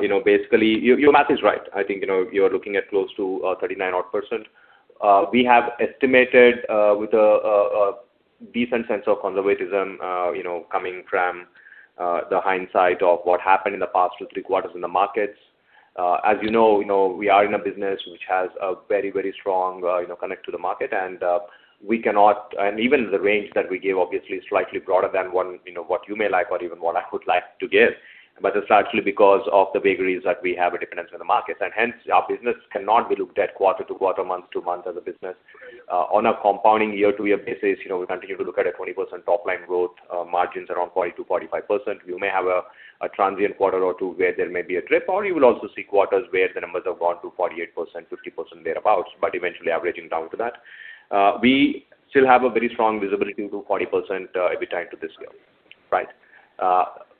Speaker 4: You know, basically, your math is right. I think, you know, you're looking at close to 39 odd percent. We have estimated with a decent sense of conservatism, you know, coming from the hindsight of what happened in the past two, three quarters in the markets. As we are in a business which has a very, very strong connect to the market. Even the range that we give obviously is slightly broader than what you may like or even what I would like to give. It's actually because of the vagaries that we have a dependence on the markets. Hence, our business cannot be looked at quarter to quarter, month to month as a business. On a compounding year-to-year basis, we continue to look at a 20% top line growth, margins around 40%-45%. We may have a transient quarter or two where there may be a trip, or you will also see quarters where the numbers have gone to 48%, 50% thereabout, but eventually averaging down to that. We still have a very strong visibility to 40% every time to this scale, right?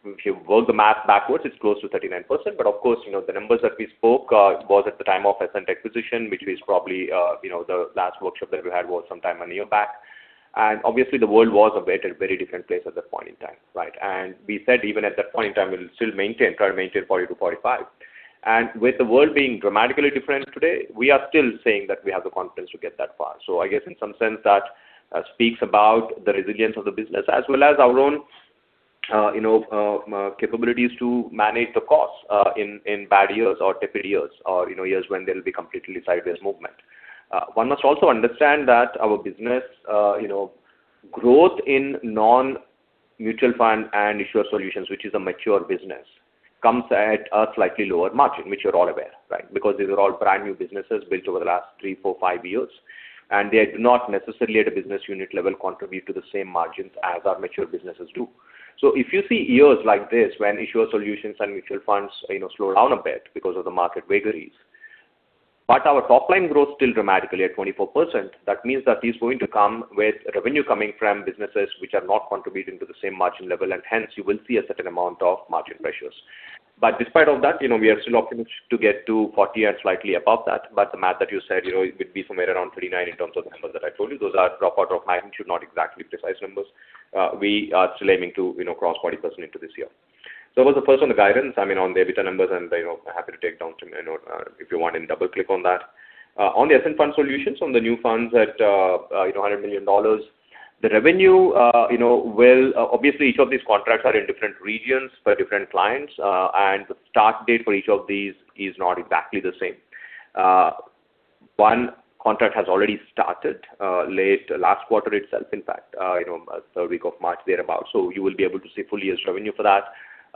Speaker 4: If you work the math backwards, it's close to 39%. Of course, you know, the numbers that we spoke was at the time of Ascent acquisition, which is probably, you know, the last workshop that we had was some time a year back. Obviously, the world was a very, very different place at that point in time, right? We said even at that point in time, we'll still maintain, try and maintain 40%-45%. With the world being dramatically different today, we are still saying that we have the confidence to get that far. I guess in some sense, that speaks about the resilience of the business as well as our own, you know, capabilities to manage the costs in bad years or tepid years or, you know, years when there'll be completely sideways movement. One must also understand that our business, you know, growth in non-mutual fund and issuer solutions, which is a mature business, comes at a slightly lower margin, which you're all aware, right? Because these are all brand new businesses built over the last three, four, five years, and they do not necessarily at a business unit level contribute to the same margins as our mature businesses do. If you see years like this when issuer solutions and mutual funds, you know, slow down a bit because of the market vagaries. Our top-line growth still dramatically at 24%. That means that is going to come with revenue coming from businesses which are not contributing to the same margin level, and hence you will see a certain amount of margin pressures. Despite all that, you know, we are still looking to get to 40% and slightly above that. The math that you said, you know, it would be somewhere around 39% in terms of the numbers that I told you. Those are rough order of magnitude, not exactly precise numbers. We are still aiming to, you know, cross 40% into this year. That was the first one, the guidance. I mean, on the EBITDA numbers and, you know, happy to take down some, you know, if you want any double click on that. On the Ascent Fund Solutions, on the new funds at, you know, $100 million. The revenue, you know, obviously each of these contracts are in different regions for different clients. The start date for each of these is not exactly the same. One contract has already started, late last quarter itself. In fact, you know, third week of March thereabout. You will be able to see full year's revenue for that.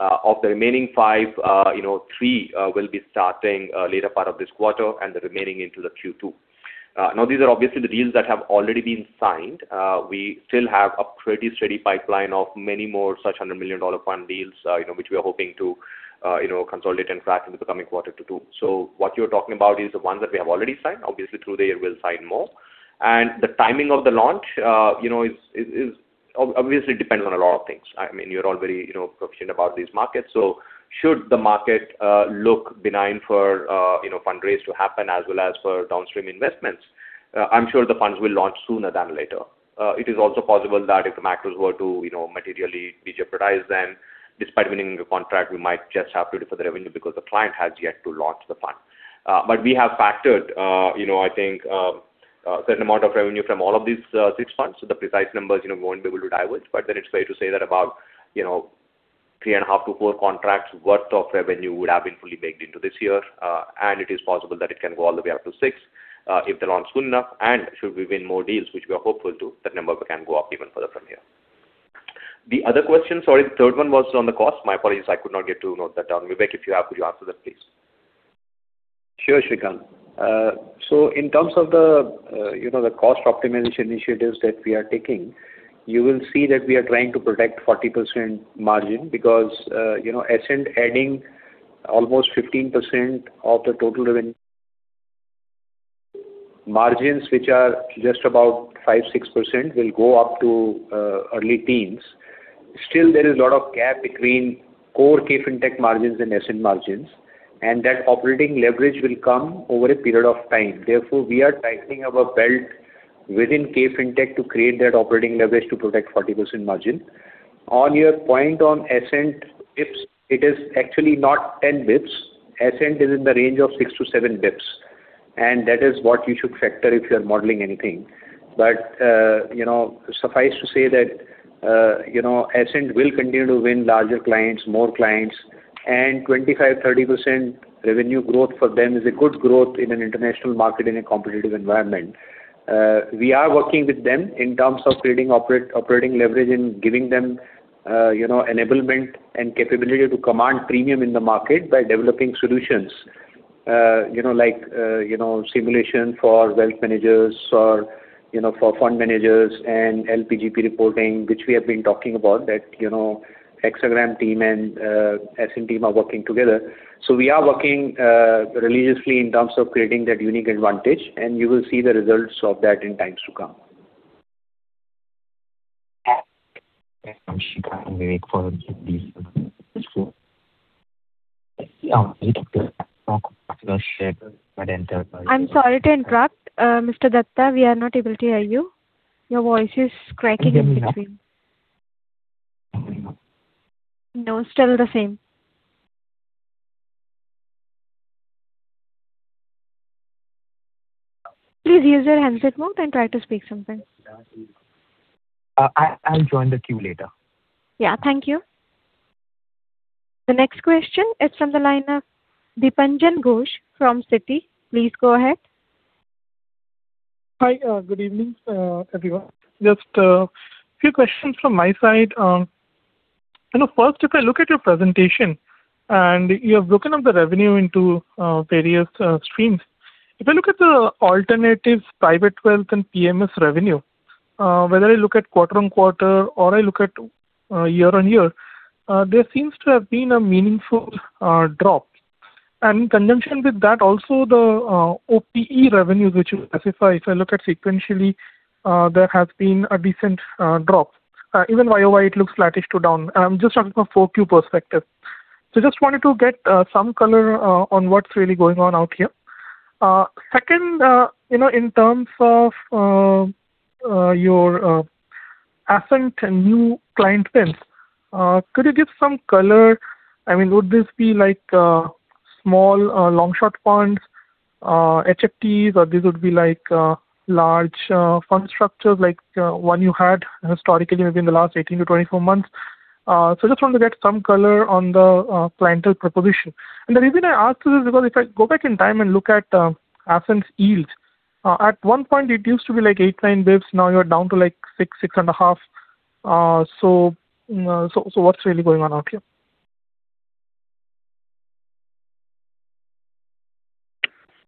Speaker 4: Of the remaining five, you know, three will be starting later part of this quarter and the remaining into the Q2. Now these are obviously the deals that have already been signed. We still have a pretty steady pipeline of many more such $100 million fund deals, which we are hoping to consolidate and track in the coming quarter to two. What you're talking about is the ones that we have already signed. Obviously, through there we'll sign more. The timing of the launch is obviously depends on a lot of things. I mean, you're all very concerned about these markets. Should the market look benign for fundraise to happen as well as for downstream investments, I'm sure the funds will launch sooner than later. It is also possible that if the macros were to, you know, materially be jeopardized, despite winning the contract, we might just have to defer the revenue because the client has yet to launch the fund. We have factored, you know, I think, a certain amount of revenue from all of these six funds. The precise numbers, you know, we won't be able to dive with. It's fair to say that about, you know, 3.5 to four contracts worth of revenue would have been fully baked into this year. It is possible that it can go all the way up to six if they launch soon enough. Should we win more deals, which we are hopeful to, that number can go up even further from here. The other question, sorry, the third one was on the cost. My apologies, I could not get to note that down. Vivek, if you have, could you answer that, please?
Speaker 3: Sure, Sreekanth. In terms of the cost optimization initiatives that we are taking, you will see that we are trying to protect 40% margin because Ascent adding almost 15% of the total margins which are just about 5%, 6% will go up to early teens. Still, there is a lot of gap between core KFin Technologies margins and Ascent margins, and that operating leverage will come over a period of time. Therefore, we are tightening our belt within KFin Technologies to create that operating leverage to protect 40% margin. On your point on Ascent, it is actually not 10 basis points. Ascent is in the range of 6-7 basis points, and that is what you should factor if you are modeling anything. You know, suffice to say that, you know, Ascent will continue to win larger clients, more clients, and 25%-30% revenue growth for them is a good growth in an international market in a competitive environment. We are working with them in terms of creating operating leverage and giving them, you know, enablement and capability to command premium in the market by developing solutions. You know, like, you know, simulation for wealth managers or, you know, for fund managers and LP/GP reporting, which we have been talking about that, you know, Hexagram team and Ascent team are working together. We are working religiously in terms of creating that unique advantage, and you will see the results of that in times to come.
Speaker 1: I'm sorry to interrupt. Mr. Datta, we are not able to hear you. Your voice is cracking in between. No, still the same. Please use your handset mode and try to speak something.
Speaker 8: I'll join the queue later.
Speaker 1: Yeah. Thank you. The next question is from the line of Dipanjan Ghosh from Citi. Please go ahead.
Speaker 9: Hi. Good evening, everyone. Just a few questions from my side. You know, first, if I look at your presentation and you have broken up the revenue into various streams. If I look at the alternatives private wealth and PMS revenue, whether I look at quarter-on-quarter or I look at year-on-year, there seems to have been a meaningful drop. In conjunction with that also the OPE revenues which you specify, if I look at sequentially, there has been a decent drop. Even year-over-year it looks slightly two down. I'm just talking from a four Q perspective. Just wanted to get some color on what's really going on out here. Second, you know, in terms of your Ascent new client base, could you give some color? I mean, would this be like small long/short funds, HFTs, or these would be like large fund structures like one you had historically maybe in the last 18-24 months. Just wanted to get some color on the clientele proposition. The reason I ask this is because if I go back in time and look at Ascent's yields, at one point it used to be like 8, 9 basis points. Now you're down to like 6.5 basis points. So what's really going on out here?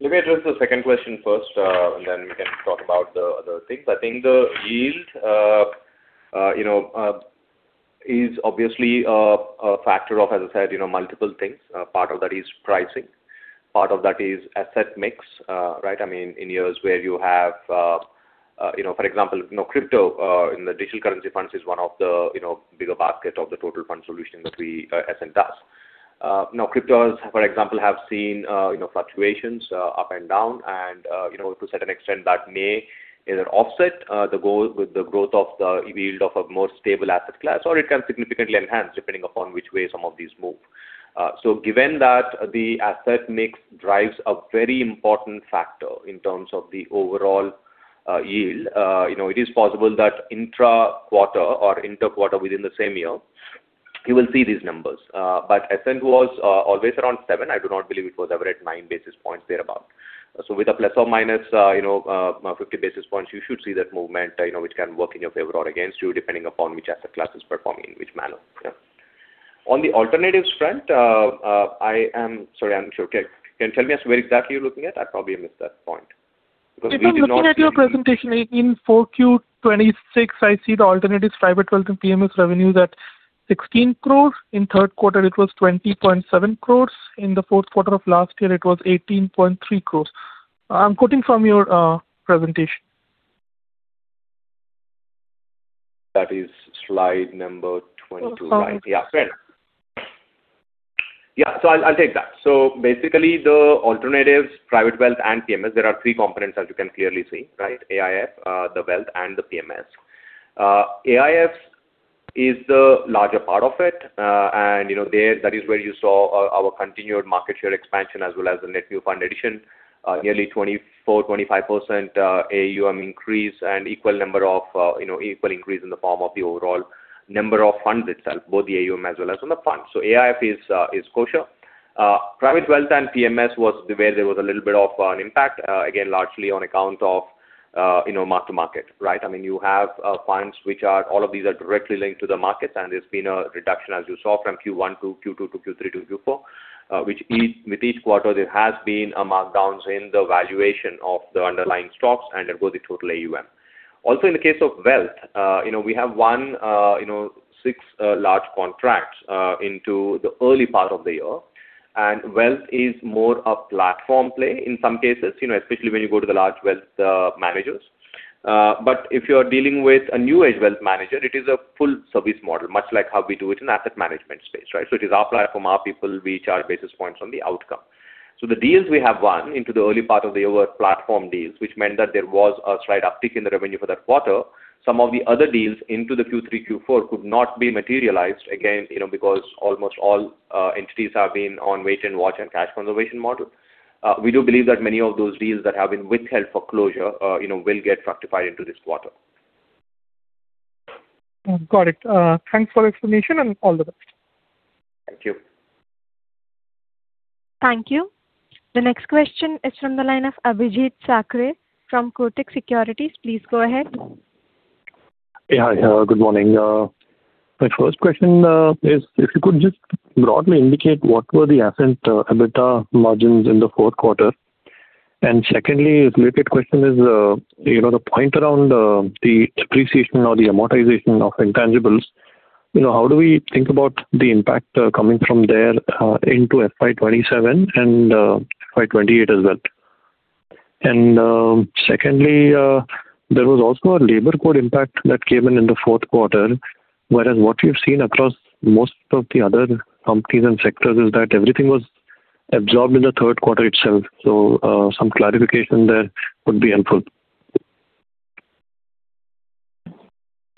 Speaker 4: Let me address the second question first, then we can talk about the other things. I think the yield, you know, is obviously a factor of, as I said, you know, multiple things. Part of that is pricing, part of that is asset mix. Right. I mean, in years where you have, you know, for example, you know, crypto in the digital currency funds is one of the, you know, bigger basket of the total fund solution that we, Ascent does. Cryptos, for example, have seen, you know, fluctuations up and down and, you know, to certain extent that may either offset the goal with the growth of the yield of a more stable asset class, or it can significantly enhance depending upon which way some of these move. Given that the asset mix drives a very important factor in terms of the overall yield, you know, it is possible that intra-quarter or inter-quarter within the same year, you will see these numbers. Ascent was always around 7 basis points. I do not believe it was ever at 9 basis points thereabout. With ±50 basis points, you should see that movement, you know, which can work in your favor or against you depending upon which asset class is performing in which manner. Yeah. On the alternatives front, I'm not sure. Can you tell me as where exactly you're looking at? I probably missed that point because we've been looking at the.
Speaker 9: If I'm looking at your presentation in 4Q 2026, I see the alternatives private wealth and PMS revenue that 16 crore. In third quarter it was 20.7 crore. In the fourth quarter of last year it was 18.3 crore. I'm quoting from your presentation.
Speaker 4: That is slide number 22.
Speaker 9: Oh, sorry.
Speaker 4: Yeah. Fair. Yeah. I'll take that. Basically the alternatives private wealth and PMS, there are three components as you can clearly see, right? AIF, the wealth and the PMS. AIFs is the larger part of it. You know, there that is where you saw our continued market share expansion as well as the net new fund addition. Nearly 24%-25% AUM increase and equal number of, you know, equal increase in the form of the overall number of funds itself, both the AUM as well as on the fund. AIF is [kosher]. Private wealth and PMS was where there was a little bit of an impact, again, largely on account of, you know, mark to market. I mean, you have funds which are all of these are directly linked to the markets, and there's been a reduction, as you saw from Q1 to Q2 to Q3 to Q4. With each quarter there has been a markdowns in the valuation of the underlying stocks and therefore the total AUM. Also, in the case of wealth, you know, we have won, you know, six large contracts into the early part of the year. Wealth is more a platform play in some cases, you know, especially when you go to the large wealth managers. If you are dealing with a new age wealth manager, it is a full service model, much like how we do it in asset management space, right? It is our platform, our people. We charge basis points on the outcome. The deals we have won into the early part of the year were platform deals, which meant that there was a slight uptick in the revenue for that quarter. Some of the other deals into the Q3, Q4 could not be materialized again, you know, because almost all entities have been on wait and watch and cash conservation model. We do believe that many of those deals that have been withheld for closure, you know, will get fructified into this quarter.
Speaker 9: Got it. Thanks for explanation and all the best. Thank you.
Speaker 1: Thank you. The next question is from the line of Abhijeet Sakhare from Kotak Securities. Please go ahead.
Speaker 10: Yeah. Hi. Good morning. My first question is if you could just broadly indicate what were the Ascent EBITDA margins in the fourth quarter. Secondly, related question is, you know, the point around the depreciation or the amortization of intangibles. You know, how do we think about the impact coming from there into FY 2027 and FY 2028 as well? Secondly, there was also a labor code impact that came in in the fourth quarter, whereas what you've seen across most of the other companies and sectors is that everything was absorbed in the third quarter itself. Some clarification there would be helpful.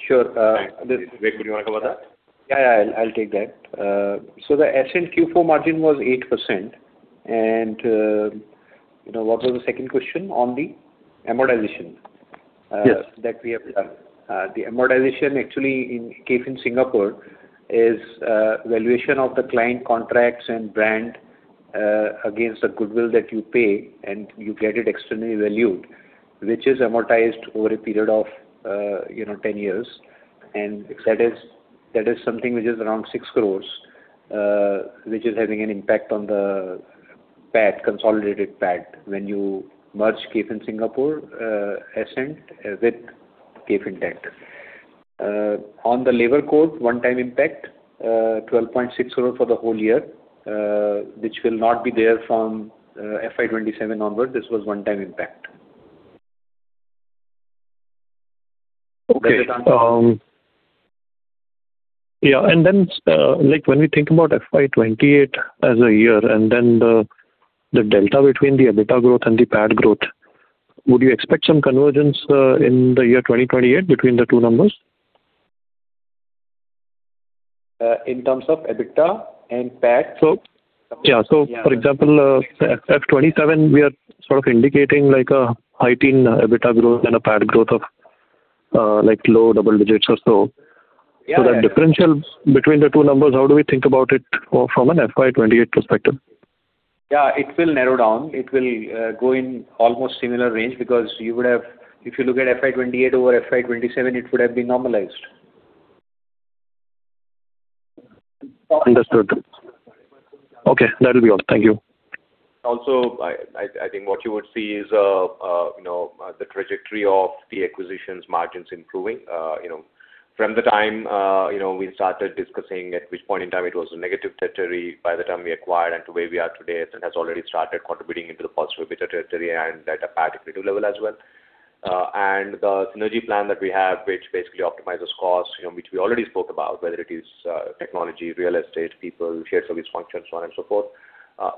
Speaker 4: Sure. Vivek, do you wanna cover that?
Speaker 3: Yeah, yeah. I'll take that. The Ascent Q4 margin was 8%. You know, what was the second question on the amortization?
Speaker 10: Yes.
Speaker 3: That we have. The amortization actually in KFin Singapore is valuation of the client contracts and brand against the goodwill that you pay, and you get it externally valued, which is amortized over a period of, you know, 10 years. That is something which is around 6 crore, which is having an impact on the PAT, consolidated PAT when you merge KFin Singapore, Ascent with KFin Tech. On the labor code one-time impact, 12.6 crore for the whole year, which will not be there from FY 2027 onward. This was one-time impact.
Speaker 10: Okay. Yeah. Like, when we think about FY 2028 as a year and then the delta between the EBITDA growth and the PAT growth, would you expect some convergence in the year 2028 between the two numbers?
Speaker 3: In terms of EBITDA and PAT?
Speaker 10: Yeah. For example, FY 2027, we are sort of indicating like a high-teen EBITDA growth and a PAT growth of like low double digits or so.
Speaker 3: Yeah, yeah.
Speaker 10: That differential between the two numbers, how do we think about it or from an FY 2028 perspective?
Speaker 3: Yeah, it will narrow down. It will go in almost similar range because if you look at FY 2028 over FY 2027, it would have been normalized.
Speaker 10: Understood. Okay, that'll be all. Thank you.
Speaker 4: I think what you would see is, you know, the trajectory of the acquisitions margins improving. You know, from the time, you know, we started discussing at which point in time it was a negative territory by the time we acquired and to where we are today, it has already started contributing into the positive EBITDA territory and at a PAT accretive level as well. The synergy plan that we have, which basically optimizes costs, you know, which we already spoke about, whether it is technology, real estate, people, shared service functions, so on and so forth,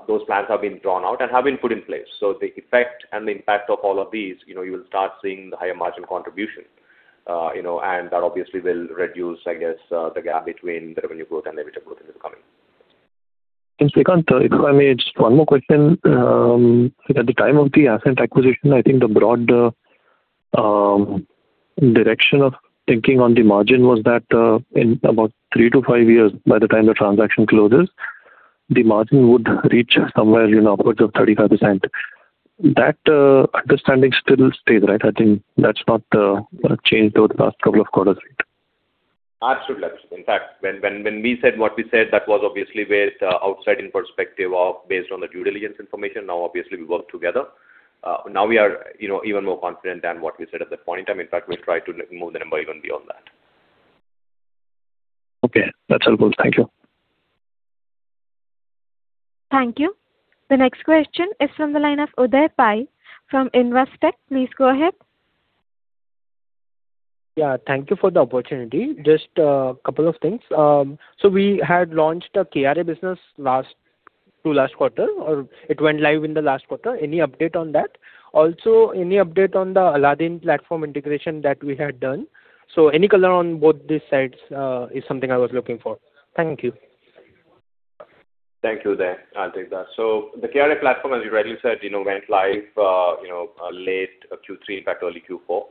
Speaker 4: those plans have been drawn out and have been put in place. The effect and the impact of all of these, you know, you will start seeing the higher margin contribution. You know, that obviously will reduce, I guess, the gap between the revenue growth and EBITDA growth in the coming.
Speaker 10: Sreekanth, if I may, just one more question. At the time of the Ascent acquisition, I think the broad direction of thinking on the margin was that, in about three to five years, by the time the transaction closes, the margin would reach somewhere, you know, upwards of 35%. That understanding still stays, right? I think that's not changed over the past couple of quarters, right?
Speaker 4: Absolutely. Absolutely. In fact, when we said what we said, that was obviously with outside-in perspective of based on the due diligence information. Now, obviously, we work together. Now we are, you know, even more confident than what we said at that point in time. In fact, we'll try to move the number even beyond that.
Speaker 10: Okay. That's helpful. Thank you.
Speaker 1: Thank you. The next question is from the line of Uday Pai from Investec. Please go ahead.
Speaker 11: Yeah. Thank you for the opportunity. Just a couple of things. We had launched a KRA business last quarter, or it went live in the last quarter. Any update on that? Also, any update on the Aladdin platform integration that we had done? Any color on both these sides, is something I was looking for. Thank you.
Speaker 4: Thank you, Uday. I'll take that. The KRA platform, as you rightly said, went live late Q3, in fact, early Q4.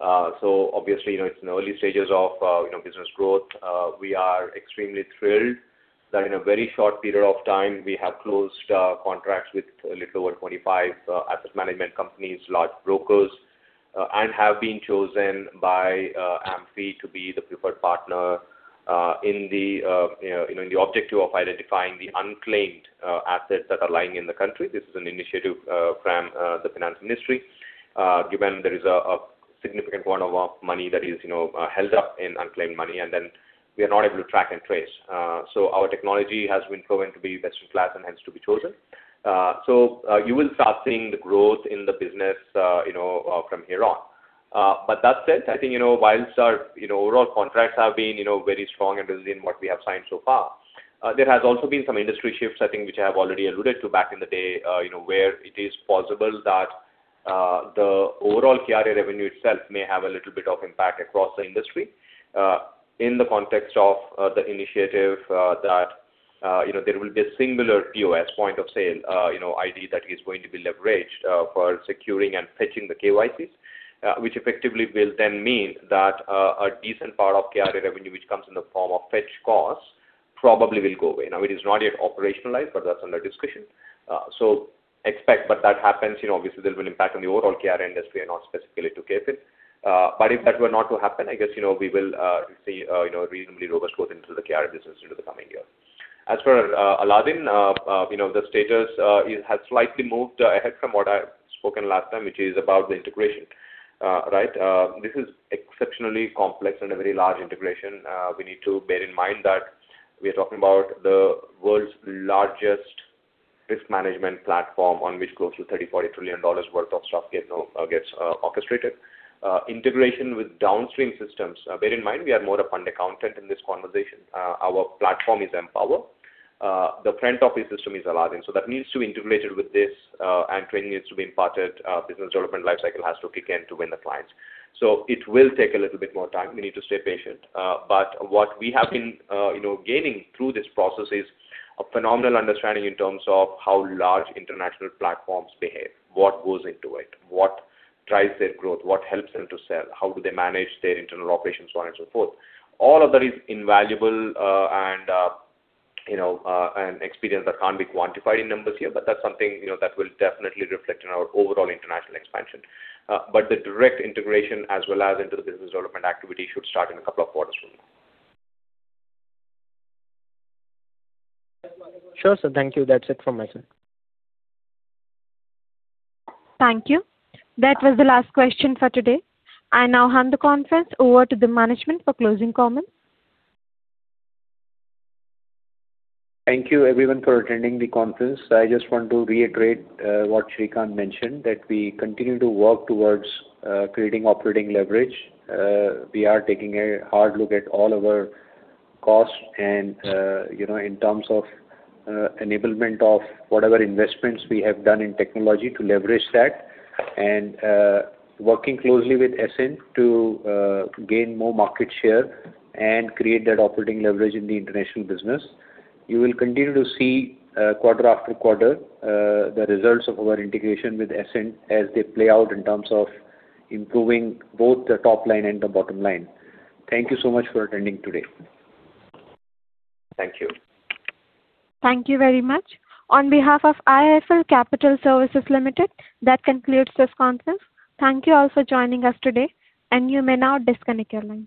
Speaker 4: Obviously, it's in early stages of business growth. We are extremely thrilled that in a very short period of time, we have closed contracts with a little over 25 asset management companies, large brokers, and have been chosen by AMFI to be the preferred partner in the objective of identifying the unclaimed assets that are lying in the country. This is an initiative from the finance ministry, given there is a significant turnover of money that is held up in unclaimed money, and then we are not able to track and trace. Our technology has been proven to be best in class and hence to be chosen. You will start seeing the growth in the business, you know, from here on. That said, I think, you know, whilst our, you know, overall contracts have been, you know, very strong and resilient, what we have signed so far. There has also been some industry shifts, I think, which I have already alluded to back in the day, you know, where it is possible that the overall KRA revenue itself may have a little bit of impact across the industry, in the context of the initiative, that, you know, there will be a singular POS, point of sale, you know, ID that is going to be leveraged for securing and fetching the KYCs, which effectively will then mean that a decent part of KRA revenue which comes in the form of fetch costs probably will go away. It is not yet operationalized, but that's under discussion. Expect, but that happens, you know, obviously there will impact on the overall KRA industry and not specifically to KFin. If that were not to happen, I guess, you know, we will see, you know, reasonably robust growth into the KRA business into the coming years. As for Aladdin, you know, the status is, has slightly moved ahead from what I spoken last time, which is about the integration. Right. This is exceptionally complex and a very large integration. We need to bear in mind that we are talking about the world's largest risk management platform on which close to $30 trillion-$40 trillion worth of stock gets orchestrated. Integration with downstream systems. Bear in mind, we are more a fund accountant in this conversation. Our platform is mPower. The front office system is Aladdin. That needs to be integrated with this, and training needs to be imparted, business development lifecycle has to kick in to win the clients. It will take a little bit more time. We need to stay patient. What we have been, you know, gaining through this process is a phenomenal understanding in terms of how large international platforms behave, what goes into it, what drives their growth, what helps them to sell, how do they manage their internal operations, so on and so forth. All of that is invaluable, and, you know, and experience that can't be quantified in numbers here, but that's something, you know, that will definitely reflect in our overall international expansion. The direct integration as well as into the business development activity should start in a couple of quarters from now.
Speaker 11: Sure, sir. Thank you. That's it from my side.
Speaker 1: Thank you. That was the last question for today. I now hand the conference over to the management for closing comments.
Speaker 3: Thank you everyone for attending the conference. I just want to reiterate what Sreekanth mentioned that we continue to work towards creating operating leverage. We are taking a hard look at all our costs and, you know, in terms of enablement of whatever investments we have done in technology to leverage that and working closely with Ascent to gain more market share and create that operating leverage in the international business. You will continue to see quarter after quarter the results of our integration with Ascent as they play out in terms of improving both the top line and the bottom line. Thank you so much for attending today.
Speaker 4: Thank you.
Speaker 1: Thank you very much. On behalf of IIFL Capital Services Limited, that concludes this conference. Thank you all for joining us today, and you may now disconnect your lines.